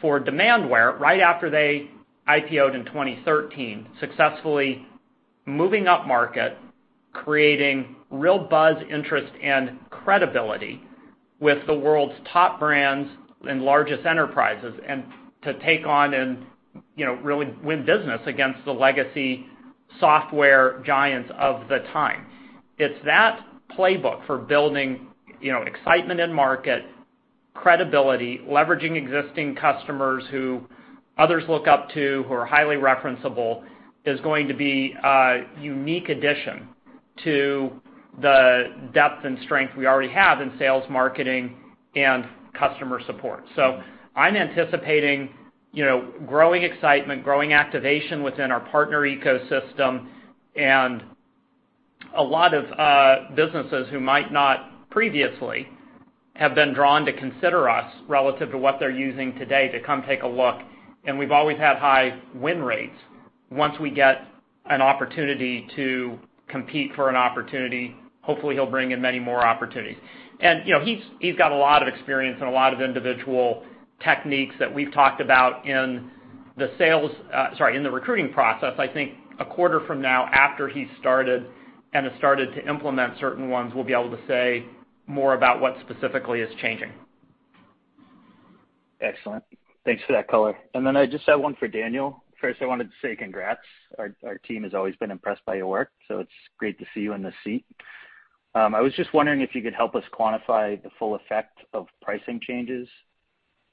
for Demandware right after they IPO'd in 2013, successfully moving upmarket, creating real buzz, interest, and credibility with the world's top brands and largest enterprises, and to take on and, you know, really win business against the legacy software giants of the time. It's that playbook for building, you know, excitement in market, credibility, leveraging existing customers who others look up to, who are highly referenceable, is going to be a unique addition to the depth and strength we already have in sales, marketing, and customer support. I'm anticipating, you know, growing excitement, growing activation within our partner ecosystem, and a lot of businesses who might not previously have been drawn to consider us relative to what they're using today to come take a look. We've always had high win rates. Once we get an opportunity to compete for an opportunity, hopefully, he'll bring in many more opportunities. You know, he's got a lot of experience and a lot of individual techniques that we've talked about in the sales, sorry, in the recruiting process. I think a quarter from now, after he's started and has started to implement certain ones, we'll be able to say more about what specifically is changing. Excellent. Thanks for that color. I just have one for Daniel. First, I wanted to say congrats. Our, our team has always been impressed by your work, so it's great to see you in the seat. I was just wondering if you could help us quantify the full effect of pricing changes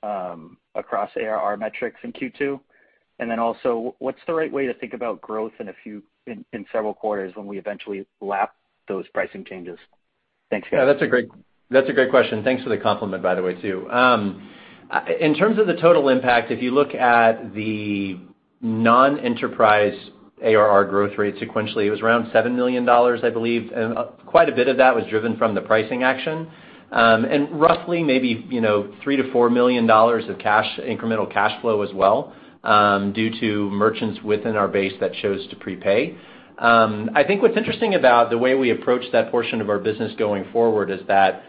across ARR metrics in second quarter. What's the right way to think about growth in several quarters when we eventually lap those pricing changes? Thanks, guys. Yeah, that's a great, that's a great question. Thanks for the compliment, by the way, too. In terms of the total impact, if you look at the non-enterprise ARR growth rate sequentially, it was around $7 million, I believe, and quite a bit of that was driven from the pricing action. Roughly maybe, you know, $3 to 4 million of cash, incremental cash flow as well, due to merchants within our base that chose to prepay. I think what's interesting about the way we approach that portion of our business going forward is that,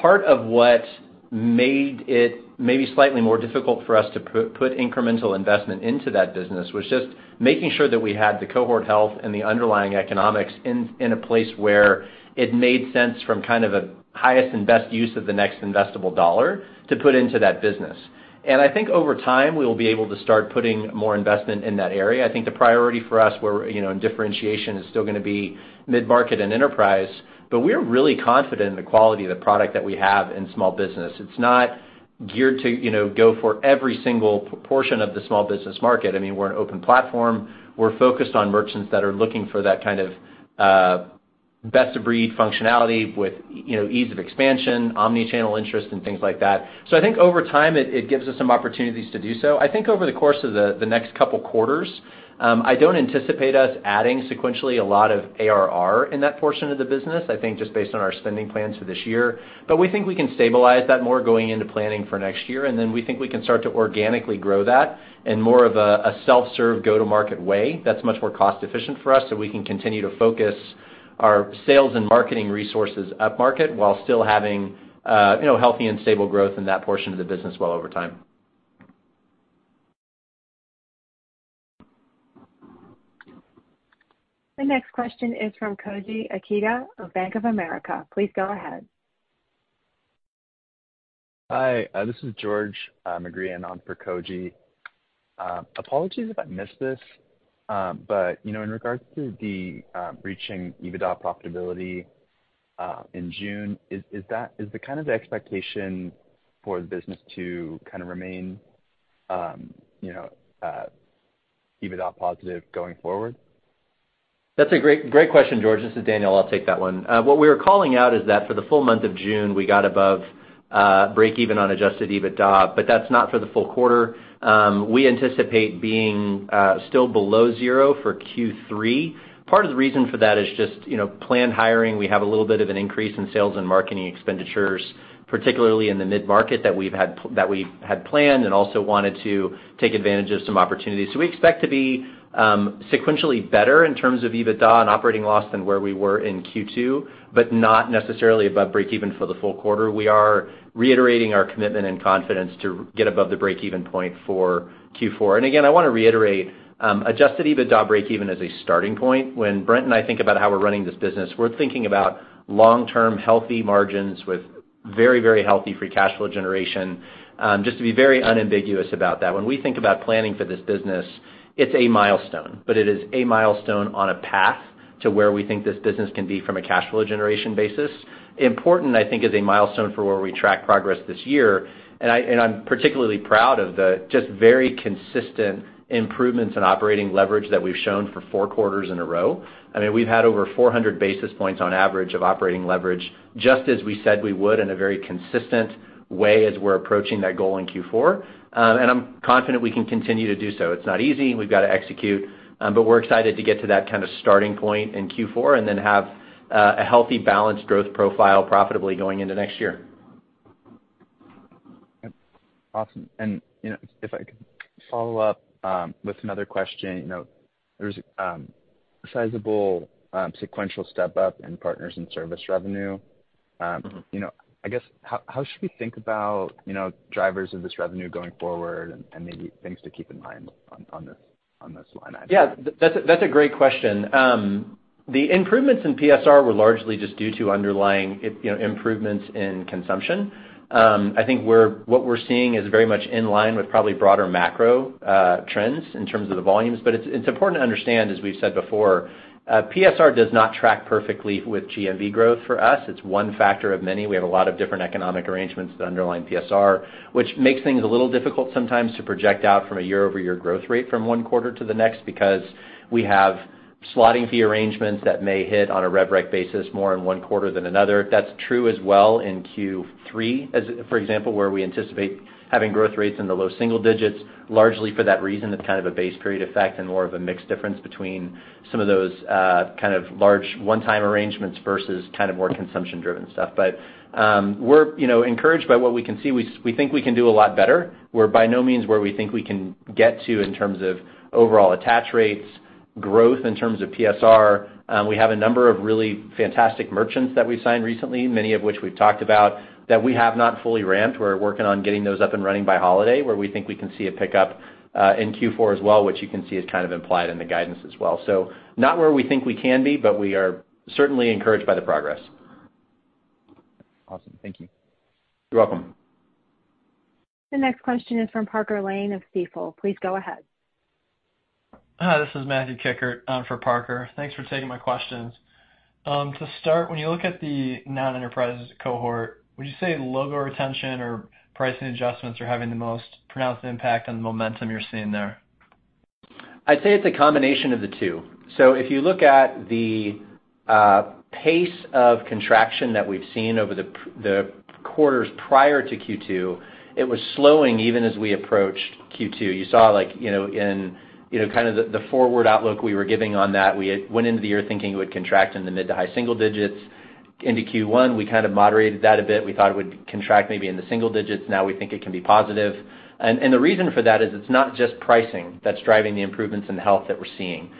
part of what made it maybe slightly more difficult for us to put incremental investment into that business was just making sure that we had the cohort health and the underlying economics in, in a place where it made sense from kind of a highest and best use of the next investable dollar to put into that business. I think over time, we will be able to start putting more investment in that area. I think the priority for us, where, you know, in differentiation, is still gonna be mid-market and enterprise, but we're really confident in the quality of the product that we have in small business. It's not geared to, you know, go for every single portion of the small business market. I mean, we're an open platform. We're focused on merchants that are looking for that kind of best-of-breed functionality with, you know, ease of expansion, omni-channel interest, and things like that. I think over time, it, it gives us some opportunities to do so. I think over the course of the next couple quarters, I don't anticipate us adding sequentially a lot of ARR in that portion of the business, I think just based on our spending plans for this year. We think we can stabilize that more going into planning for next year, then we think we can start to organically grow that in more of a, a self-serve, go-to-market way. That's much more cost-efficient for us. We can continue to focus our sales and marketing resources upmarket while still having, you know, healthy and stable growth in that portion of the business well over time. The next question is from Koji Ikeda of Bank of America. Please go ahead. Hi, this is George McGreehan on for Koji. Apologies if I missed this, but, you know, in regards to the reaching EBITDA profitability in June, is that the kind of the expectation for the business to kind of remain, you know, EBITDA positive going forward? That's a great, great question, George. This is Daniel. I'll take that one. What we were calling out is that for the full month of June, we got above break even on Adjusted EBITDA, but that's not for the full quarter. We anticipate being still below zero for third quarter. Part of the reason for that is just, you know, planned hiring. We have a little bit of an increase in sales and marketing expenditures particularly in the mid-market that we've had, that we had planned, and also wanted to take advantage of some opportunities. We expect to be sequentially better in terms of EBITDA and operating loss than where we were in second quarter, but not necessarily above breakeven for the full quarter. We are reiterating our commitment and confidence to get above the breakeven point for fourth quarter. Again, I want to reiterate, Adjusted EBITDA breakeven as a starting point. Brent and I think about how we're running this business, we're thinking about long-term, healthy margins with very, very healthy free cash flow generation. Just to be very unambiguous about that. We think about planning for this business, it's a milestone, but it is a milestone on a path to where we think this business can be from a cash flow generation basis. Important, I think, is a milestone for where we track progress this year, and I, and I'm particularly proud of the just very consistent improvements in operating leverage that we've shown for four quarters in a row. I mean, we've had over 400 basis points on average of operating leverage, just as we said we would, in a very consistent way as we're approaching that goal in fourth quarter. I'm confident we can continue to do so. It's not easy. We've got to execute, but we're excited to get to that kind of starting point in fourth quarter and then have a healthy, balanced growth profile profitably going into next year. Awesome. You know, if I could follow up with another question. You know, there's a sizable sequential step up in partners and service revenue. Mm-hmm. You know, I guess, how, how should we think about, you know, drivers of this revenue going forward and, and maybe things to keep in mind on, on this, on this line item? Yeah, that's a, that's a great question. The improvements in PSR were largely just due to underlying, you know, improvements in consumption. I think what we're seeing is very much in line with probably broader macro trends in terms of the volumes. It's, it's important to understand, as we've said before, PSR does not track perfectly with GMV growth for us. It's one factor of many. We have a lot of different economic arrangements that underline PSR, which makes things a little difficult sometimes to project out from a year-over-year growth rate from one quarter to the next, because we have slotting fee arrangements that may hit on a rev rec basis more in one quarter than another. That's true as well in third quarter, as, for example, where we anticipate having growth rates in the low single digits, largely for that reason, it's kind of a base period effect and more of a mixed difference between some of those, kind of large one-time arrangements versus kind of more consumption-driven stuff. We're, you know, encouraged by what we can see. We think we can do a lot better. We're by no means where we think we can get to in terms of overall attach rates, growth in terms of PSR. We have a number of really fantastic merchants that we've signed recently, many of which we've talked about, that we have not fully ramped. We're working on getting those up and running by holiday, where we think we can see a pickup in fourth quarter as well, which you can see is kind of implied in the guidance as well. Not where we think we can be, but we are certainly encouraged by the progress. Awesome. Thank you. You're welcome. The next question is from Parker Lane of Stifel. Please go ahead. Hi, this is Matthew Kikkert, for Parker. Thanks for taking my questions. To start, when you look at the non-enterprise cohort, would you say logo retention or pricing adjustments are having the most pronounced impact on the momentum you're seeing there? I'd say it's a combination of the two. If you look at the pace of contraction that we've seen over the quarters prior to second quarter, it was slowing even as we approached second quarter. You saw, like, you know, in, you know, kind of the, the forward outlook we were giving on that, we had went into the year thinking it would contract in the mid to high single digits. Into first quarter, we kind of moderated that a bit. We thought it would contract maybe in the single digits. Now we think it can be positive. The reason for that is it's not just pricing that's driving the improvements in the health that we're seeing.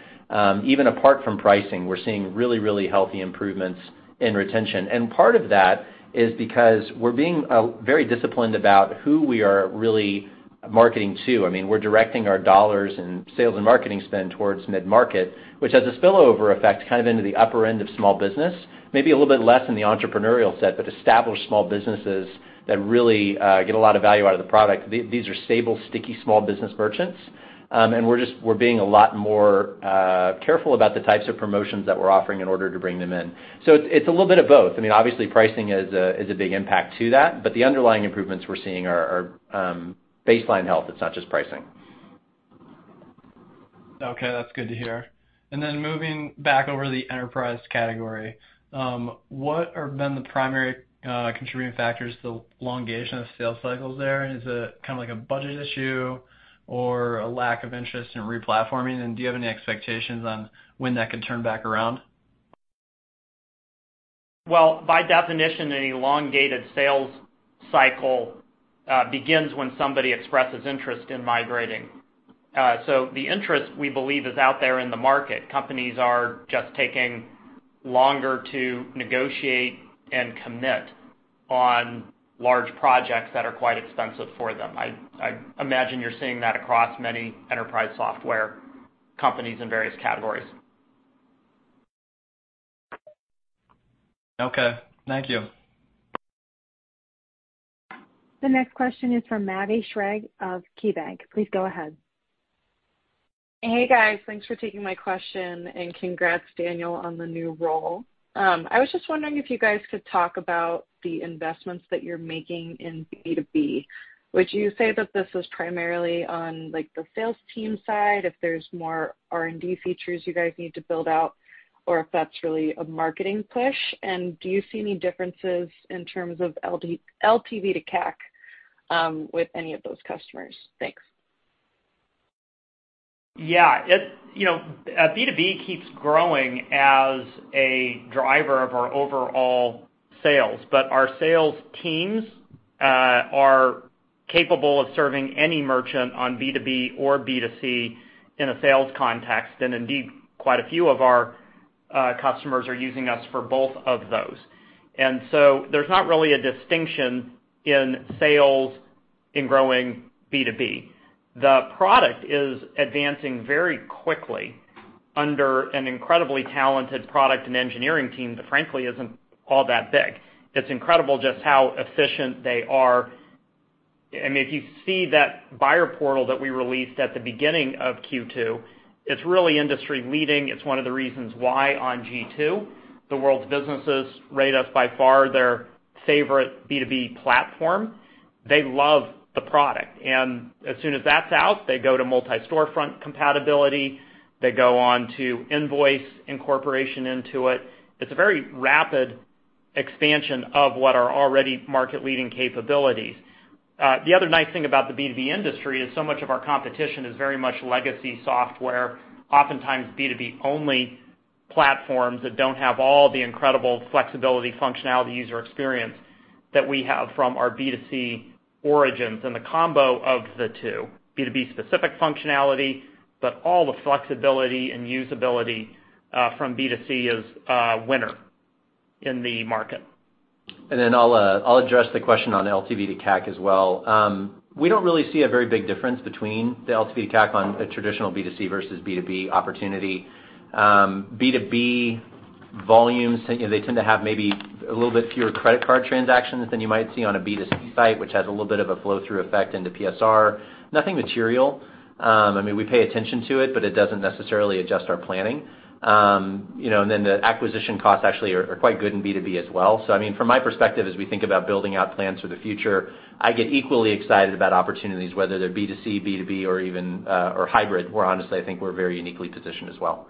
Even apart from pricing, we're seeing really, really healthy improvements in retention. Part of that is because we're being very disciplined about who we are really marketing to. I mean, we're directing our dollars and sales and marketing spend towards mid-market, which has a spillover effect, kind of into the upper end of small business, maybe a little bit less in the entrepreneurial set, but established small businesses that really get a lot of value out of the product. These, these are stable, sticky, small business merchants. We're being a lot more careful about the types of promotions that we're offering in order to bring them in. It's a little bit of both. I mean, obviously, pricing is a, is a big impact to that, but the underlying improvements we're seeing are, are baseline health. It's not just pricing. Okay, that's good to hear. Moving back over to the enterprise category, what have been the primary contributing factors to the elongation of sales cycles there? Is it kind of like a budget issue or a lack of interest in replatforming? Do you have any expectations on when that could turn back around? Well, by definition, an elongated sales cycle begins when somebody expresses interest in migrating. The interest, we believe, is out there in the market. Companies are just taking longer to negotiate and commit on large projects that are quite expensive for them. I, I imagine you're seeing that across many enterprise software companies in various categories. Okay, thank you. The next question is from Maddie Schrage of KeyBanc. Please go ahead. Hey, guys, thanks for taking my question. Congrats, Daniel, on the new role. I was just wondering if you guys could talk about the investments that you're making in B2B. Would you say that this is primarily on, like, the sales team side, if there's more R&D features you guys need to build out, or if that's really a marketing push? Do you see any differences in terms of LTV to CAC with any of those customers? Thanks. Yeah, it, you know, B2B keeps growing as a driver of our overall sales, but our sales teams, are capable of serving any merchant on B2B or B2C in a sales context. Indeed, quite a few of our, customers are using us for both of those. So there's not really a distinction in sales in growing B2B. The product is advancing very quickly under an incredibly talented product and engineering team, that frankly, isn't all that big. It's incredible just how efficient they are. I mean, if you see that buyer portal that we released at the beginning of second quarter, it's really industry leading. It's one of the reasons why on G2, the world's businesses rate us by far their favorite B2B platform. They love the product, and as soon as that's out, they go to Multi-Storefront compatibility, they go on to invoice incorporation into it. It's a very rapid expansion of what are already market-leading capabilities. The other nice thing about the B2B industry is so much of our competition is very much legacy software, oftentimes, B2B-only platforms that don't have all the incredible flexibility, functionality, user experience, that we have from our B2C origins. The combo of the two, B2B specific functionality, but all the flexibility and usability from B2C, is a winner in the market. Then I'll address the question on LTV-to-CAC as well. We don't really see a very big difference between the LTV-to-CAC on a traditional B2C versus B2B opportunity. B2B volumes, they tend to have maybe a little bit fewer credit card transactions than you might see on a B2C site, which has a little bit of a flow-through effect into PSR. Nothing material. I mean, we pay attention to it, but it doesn't necessarily adjust our planning. You know, and then the acquisition costs actually are, are quite good in B2B as well. I mean, from my perspective, as we think about building out plans for the future, I get equally excited about opportunities, whether they're B2C, B2B, or even, or hybrid, where honestly, I think we're very uniquely positioned as well.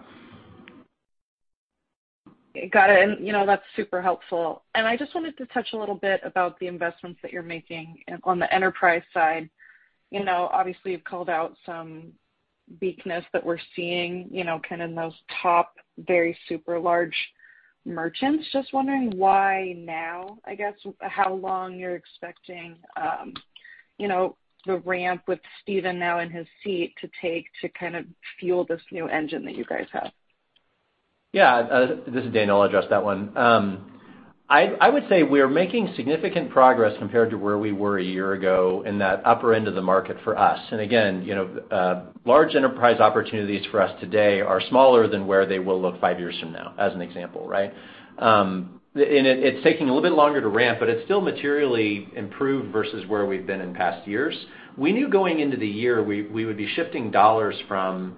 Got it, you know, that's super helpful. I just wanted to touch a little bit about the investments that you're making on the enterprise side. You know, obviously, you've called out some weakness that we're seeing, you know, kind of in those top, very super large merchants. Just wondering why now, I guess, how long you're expecting, you know, the ramp with Steven now in his seat to take to kind of fuel this new engine that you guys have? Yeah, this is Dan, I'll address that one. I would say we're making significant progress compared to where we were a year ago in that upper end of the market for us. And again, you know, large enterprise opportunities for us today are smaller than where they will look five years from now, as an example, right? And it, it's taking a little bit longer to ramp, but it's still materially improved versus where we've been in past years. We knew going into the year, we, we would be shifting dollars from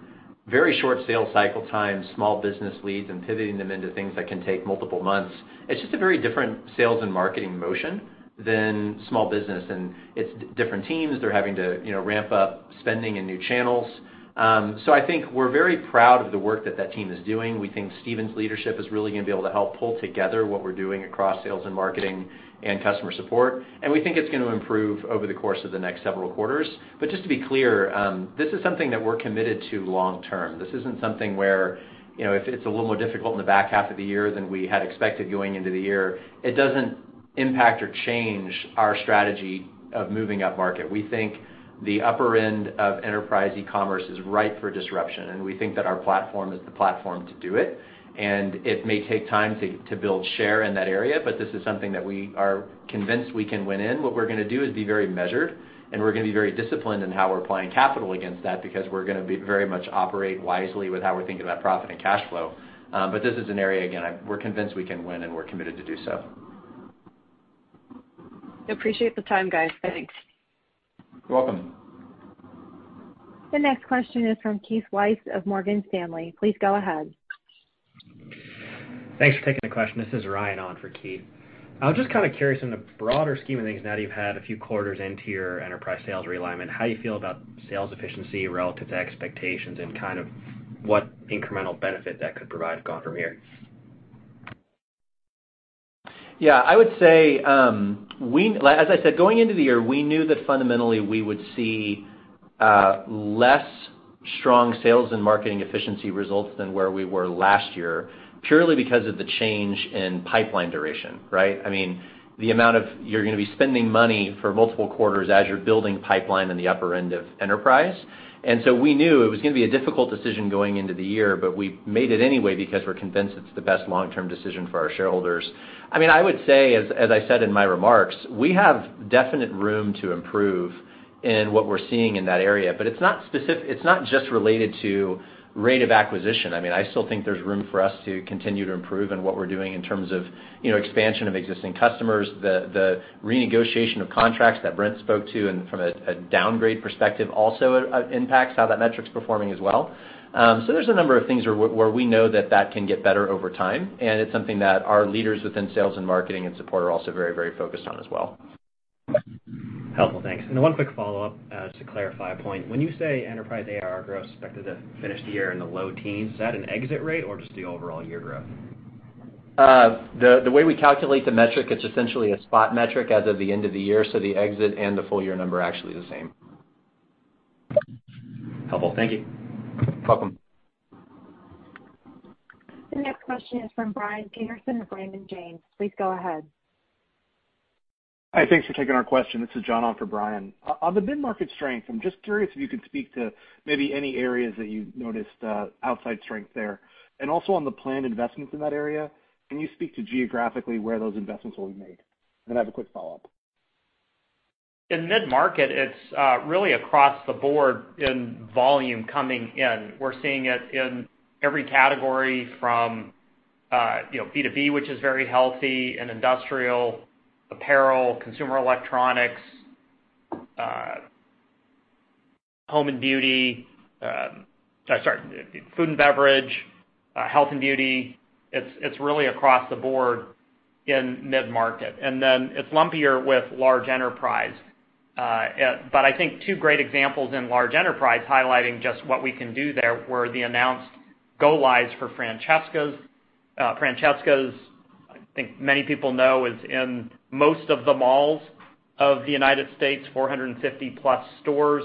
very short sales cycle times, small business leads, and pivoting them into things that can take multiple months. It's just a very different sales and marketing motion than small business, and it's different teams. They're having to, you know, ramp up spending in new channels. I think we're very proud of the work that that team is doing. We think Steven's leadership is really going to be able to help pull together what we're doing across sales and marketing and customer support, and we think it's going to improve over the course of the next several quarters. Just to be clear, this is something that we're committed to long term. This isn't something where, you know, if it's a little more difficult in the back half of the year than we had expected going into the year, it doesn't impact or change our strategy of moving upmarket. We think the upper end of enterprise e-commerce is ripe for disruption, and we think that our platform is the platform to do it. It may take time to, to build share in that area, but this is something that we are convinced we can win in. What we're going to do is be very measured, and we're going to be very disciplined in how we're applying capital against that, because we're going to be very much operate wisely with how we're thinking about profit and cash flow. This is an area, again, we're convinced we can win, and we're committed to do so. Appreciate the time, guys. Thanks. You're welcome. The next question is from Keith Weiss of Morgan Stanley. Please go ahead. Thanks for taking the question. This is Ryan on for Keith. I was just kind of curious, in the broader scheme of things, now that you've had a few quarters into your enterprise sales realignment, how do you feel about sales efficiency relative to expectations and kind of what incremental benefit that could provide going from here? Yeah, I would say, like as I said, going into the year, we knew that fundamentally, we would see, less strong sales and marketing efficiency results than where we were last year, purely because of the change in pipeline duration, right? I mean, the amount of... You're going to be spending money for multiple quarters as you're building pipeline in the upper end of enterprise. We knew it was going to be a difficult decision going into the year, but we made it anyway because we're convinced it's the best long-term decision for our shareholders. I mean, I would say, as, as I said in my remarks, we have definite room to improve in what we're seeing in that area, but it's not it's not just related to rate of acquisition. I mean, I still think there's room for us to continue to improve in what we're doing in terms of, you know, expansion of existing customers, the, the renegotiation of contracts that Brent spoke to, and from a, a downgrade perspective, also, impacts how that metric's performing as well. There's a number of things where, where we know that that can get better over time, and it's something that our leaders within sales and marketing and support are also very, very focused on as well. Helpful. Thanks. Then one quick follow-up to clarify a point. When you say enterprise ARR growth is expected to finish the year in the low teens, is that an exit rate or just the overall year growth? The way we calculate the metric, it's essentially a spot metric as of the end of the year, so the exit and the full year number are actually the same. Helpful. Thank you. Welcome. The next question is from Brian Peterson of Raymond James. Please go ahead. Hi, thanks for taking our question. This is John on for Brian. On the mid-market strength, I'm just curious if you could speak to maybe any areas that you've noticed outside strength there. Also on the planned investments in that area, can you speak to geographically where those investments will be made? I have a quick follow-up. In mid-market, it's really across the board in volume coming in. We're seeing it in every category from, you know, B2B, which is very healthy, and industrial, apparel, consumer electronics, home and beauty, sorry, food and beverage, health and beauty. It's, it's really across the board in mid-market. Then it's lumpier with large enterprise. I think two great examples in large enterprise, highlighting just what we can do there, were the announced go lives for Francesca's. Francesca's, I think many people know, is in most of the malls of the United States, 450 plus stores,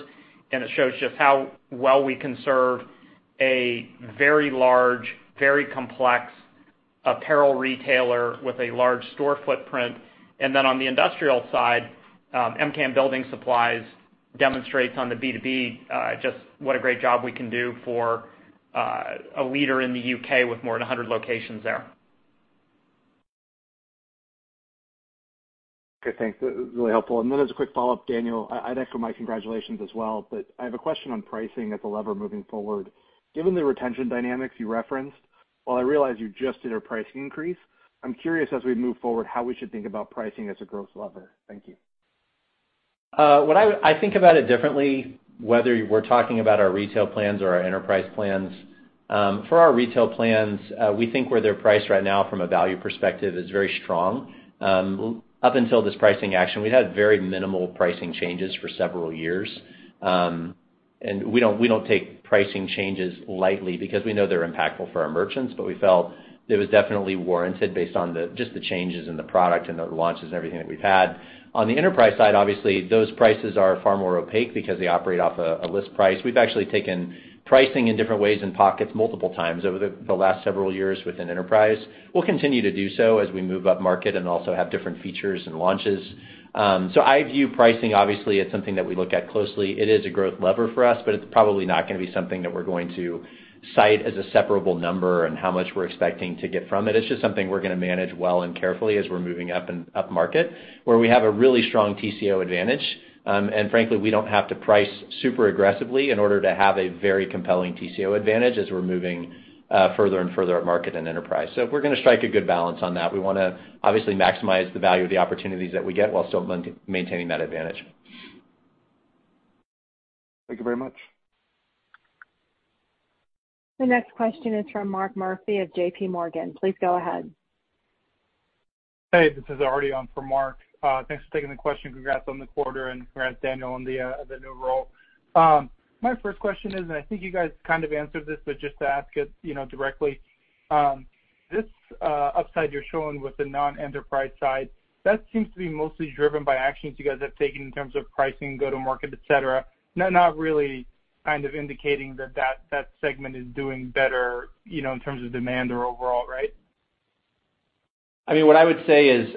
and it shows just how well we can serve a very large, very complex apparel retailer with a large store footprint. Then on the industrial side, MKM Building Supplies demonstrates on the B2B, just what a great job we can do for a leader in the UK with more than 100 locations there. Okay, thanks. That was really helpful. As a quick follow-up, Daniel, I'd echo my congratulations as well, but I have a question on pricing as a lever moving forward. Given the retention dynamics you referenced, while I realize you just did a price increase, I'm curious, as we move forward, how we should think about pricing as a growth lever. Thank you. What I would- I think about it differently, whether we're talking about our retail plans or our enterprise plans. For our retail plans, we think where they're priced right now from a value perspective is very strong. Up until this pricing action, we'd had very minimal pricing changes for several years. We don't, we don't take pricing changes lightly because we know they're impactful for our merchants, but we felt it was definitely warranted based on the just the changes in the product and the launches and everything that we've had. On the enterprise side, obviously, those prices are far more opaque because they operate off a list price. We've actually taken pricing in different ways in pockets multiple times over the last several years within enterprise. We'll continue to do so as we move upmarket and also have different features and launches. I view pricing, obviously, as something that we look at closely. It is a growth lever for us, but it's probably not gonna be something that we're going to cite as a separable number and how much we're expecting to get from it. It's just something we're gonna manage well and carefully as we're moving up and upmarket, where we have a really strong TCO advantage. Frankly, we don't have to price super aggressively in order to have a very compelling TCO advantage as we're moving further and further upmarket in enterprise. We're gonna strike a good balance on that. We wanna obviously maximize the value of the opportunities that we get while still maintaining that advantage. Thank you very much. The next question is from Mark Murphy of JPMorgan. Please go ahead. Hey, this is Artie on for Mark. Thanks for taking the question. Congrats on the quarter and congrats, Daniel, on the new role. My first question is, and I think you guys kind of answered this, but just to ask it, you know, directly. This upside you're showing with the non-enterprise side, that seems to be mostly driven by actions you guys have taken in terms of pricing, go to market, et cetera. Not, not really kind of indicating that that, that segment is doing better, you know, in terms of demand or overall, right? I mean, what I would say is,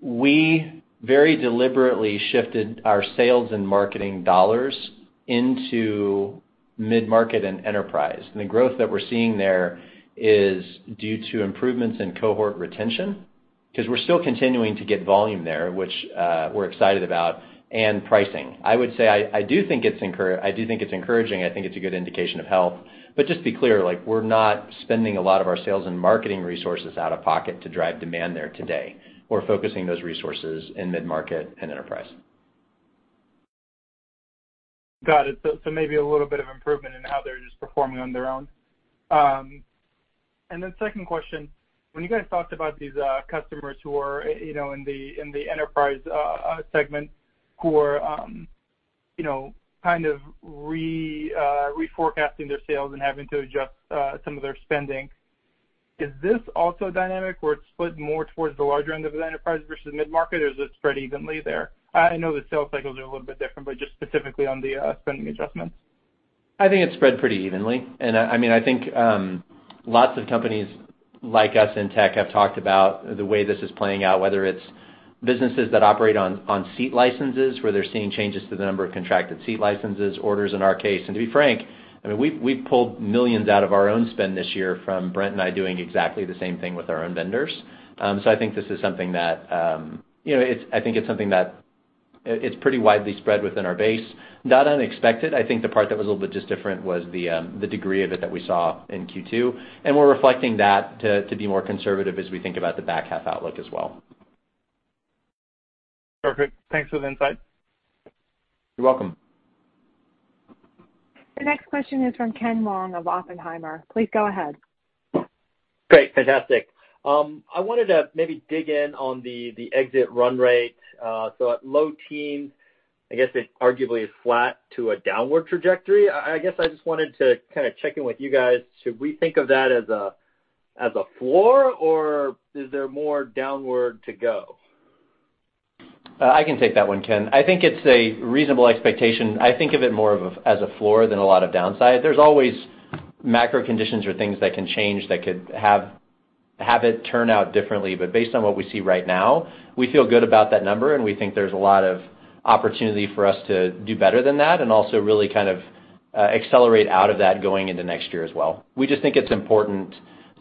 we very deliberately shifted our sales and marketing dollars into mid-market and enterprise. The growth that we're seeing there is due to improvements in cohort retention, because we're still continuing to get volume there, which we're excited about, and pricing. I would say I, I do think it's encouraging. I think it's a good indication of health. Just to be clear, like, we're not spending a lot of our sales and marketing resources out of pocket to drive demand there today. We're focusing those resources in mid-market and enterprise. Got it. So maybe a little bit of improvement in how they're just performing on their own. Second question: When you guys talked about these customers who are, you know, in the, in the enterprise segment, who are, you know, kind of reforecasting their sales and having to adjust some of their spending, is this also a dynamic where it's split more towards the larger end of the enterprise versus mid-market, or is it spread evenly there? I know the sales cycles are a little bit different, but just specifically on the spending adjustments. I think it's spread pretty evenly. I, I mean, I think, lots of companies like us in tech have talked about the way this is playing out, whether it's businesses that operate on, on seat licenses, where they're seeing changes to the number of contracted seat licenses, orders in our case. To be frank, I mean, we've, we've pulled millions out of our own spend this year from Brent and I doing exactly the same thing with our own vendors. I think this is something that, you know, I think it's something that, it's pretty widely spread within our base. Not unexpected. I think the part that was a little bit just different was the, the degree of it that we saw in second quarter, and we're reflecting that to, to be more conservative as we think about the back half outlook as well. Perfect. Thanks for the insight. You're welcome. The next question is from Ken Wong of Oppenheimer. Please go ahead. Great. Fantastic. I wanted to maybe dig in on the, the exit run rate. At low teens, I guess it arguably is flat to a downward trajectory. I guess I just wanted to kind of check in with you guys. Should we think of that as a, as a floor, or is there more downward to go? I can take that one, Ken. I think it's a reasonable expectation. I think of it more of, as a floor than a lot of downside. There's always macro conditions or things that can change, that could have, have it turn out differently. Based on what we see right now, we feel good about that number, and we think there's a lot of opportunity for us to do better than that, and also really kind of accelerate out of that going into next year as well. We just think it's important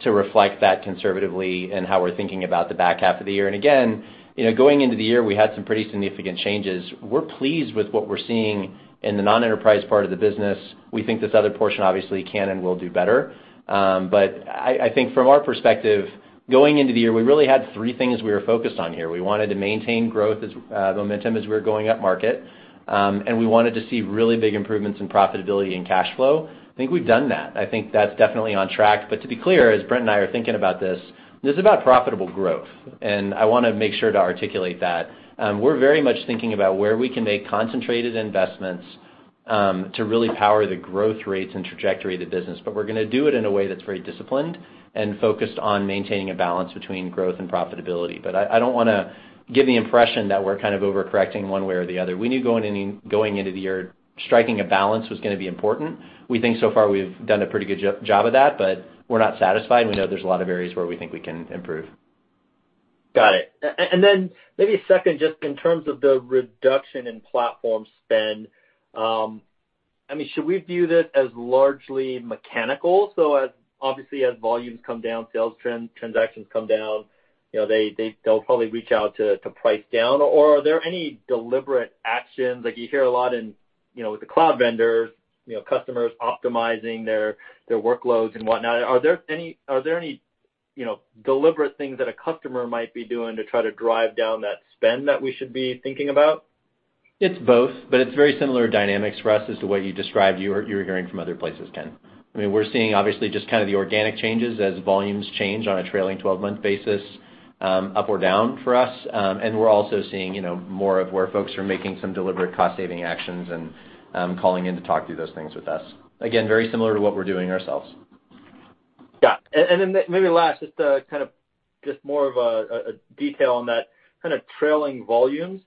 to reflect that conservatively in how we're thinking about the back half of the year. Again, you know, going into the year, we had some pretty significant changes. We're pleased with what we're seeing in the non-enterprise part of the business. We think this other portion obviously can and will do better. I think from our perspective, going into the year, we really had three things we were focused on here. We wanted to maintain growth as momentum as we were going upmarket, and we wanted to see really big improvements in profitability and cash flow. I think we've done that. I think that's definitely on track. To be clear, as Brent and I are thinking about this, this is about profitable growth, and I wanna make sure to articulate that. We're very much thinking about where we can make concentrated investments to really power the growth rates and trajectory of the business. We're gonna do it in a way that's very disciplined and focused on maintaining a balance between growth and profitability. I don't wanna give the impression that we're kind of overcorrecting one way or the other. We knew going into the year, striking a balance was gonna be important. We think so far, we've done a pretty good job of that, but we're not satisfied, and we know there's a lot of areas where we think we can improve. Got it. Then maybe a second, just in terms of the reduction in platform spend, I mean, should we view this as largely mechanical? As obviously, as volumes come down, sales trend, transactions come down, you know, they'll probably reach out to price down. Are there any deliberate actions, like you hear a lot in, you know, with the cloud vendors, you know, customers optimizing their workloads and whatnot. Are there any, you know, deliberate things that a customer might be doing to try to drive down that spend that we should be thinking about? It's both. It's very similar dynamics for us as to what you described you were, you were hearing from other places, Ken. I mean, we're seeing obviously just kind of the organic changes as volumes change on a trailing 12-month basis, up or down for us. We're also seeing, you know, more of where folks are making some deliberate cost-saving actions and calling in to talk through those things with us. Again, very similar to what we're doing ourselves. Got it. Then maybe last, just to kind of just more of a detail on that kind of trailing volumes.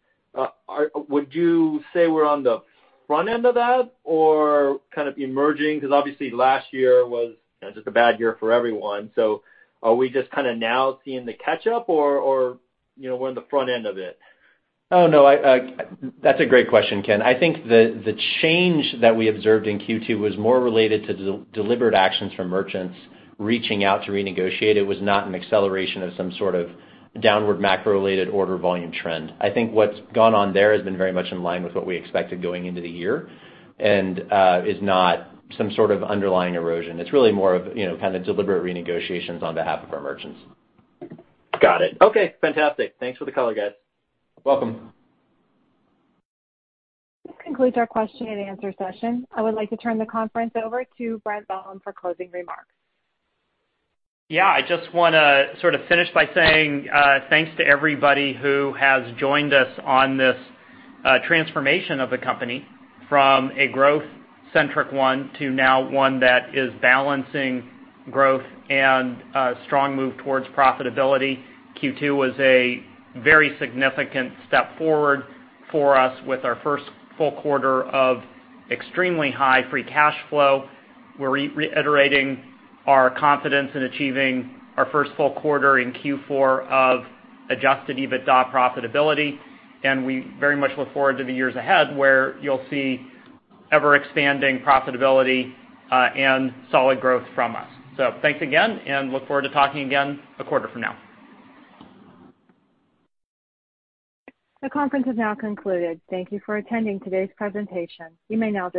Would you say we're on the front end of that or kind of emerging? Because obviously, last year was, you know, just a bad year for everyone. Are we just kinda now seeing the catch up or, you know, we're on the front end of it? Oh, no, That's a great question, Ken. I think the change that we observed in second quarter was more related to deliberate actions from merchants reaching out to renegotiate. It was not an acceleration of some sort of downward macro-related order volume trend. I think what's gone on there has been very much in line with what we expected going into the year and is not some sort of underlying erosion. It's really more of, you know, kind of deliberate renegotiations on behalf of our merchants. Got it. Okay, fantastic. Thanks for the call, guys. Welcome. This concludes our question-and-answer session. I would like to turn the conference over to Brent Bellm for closing remarks. Yeah, I just wanna sort of finish by saying thanks to everybody who has joined us on this transformation of the company, from a growth-centric one, to now one that is balancing growth and strong move towards profitability. second quarter was a very significant step forward for us with our first full quarter of extremely high free cash flow. We're reiterating our confidence in achieving our first full quarter in fourth quarter of Adjusted EBITDA profitability, we very much look forward to the years ahead, where you'll see ever-expanding profitability and solid growth from us. Thanks again, look forward to talking again a quarter from now. The conference has now concluded. Thank you for attending today's presentation. You may now disconnect.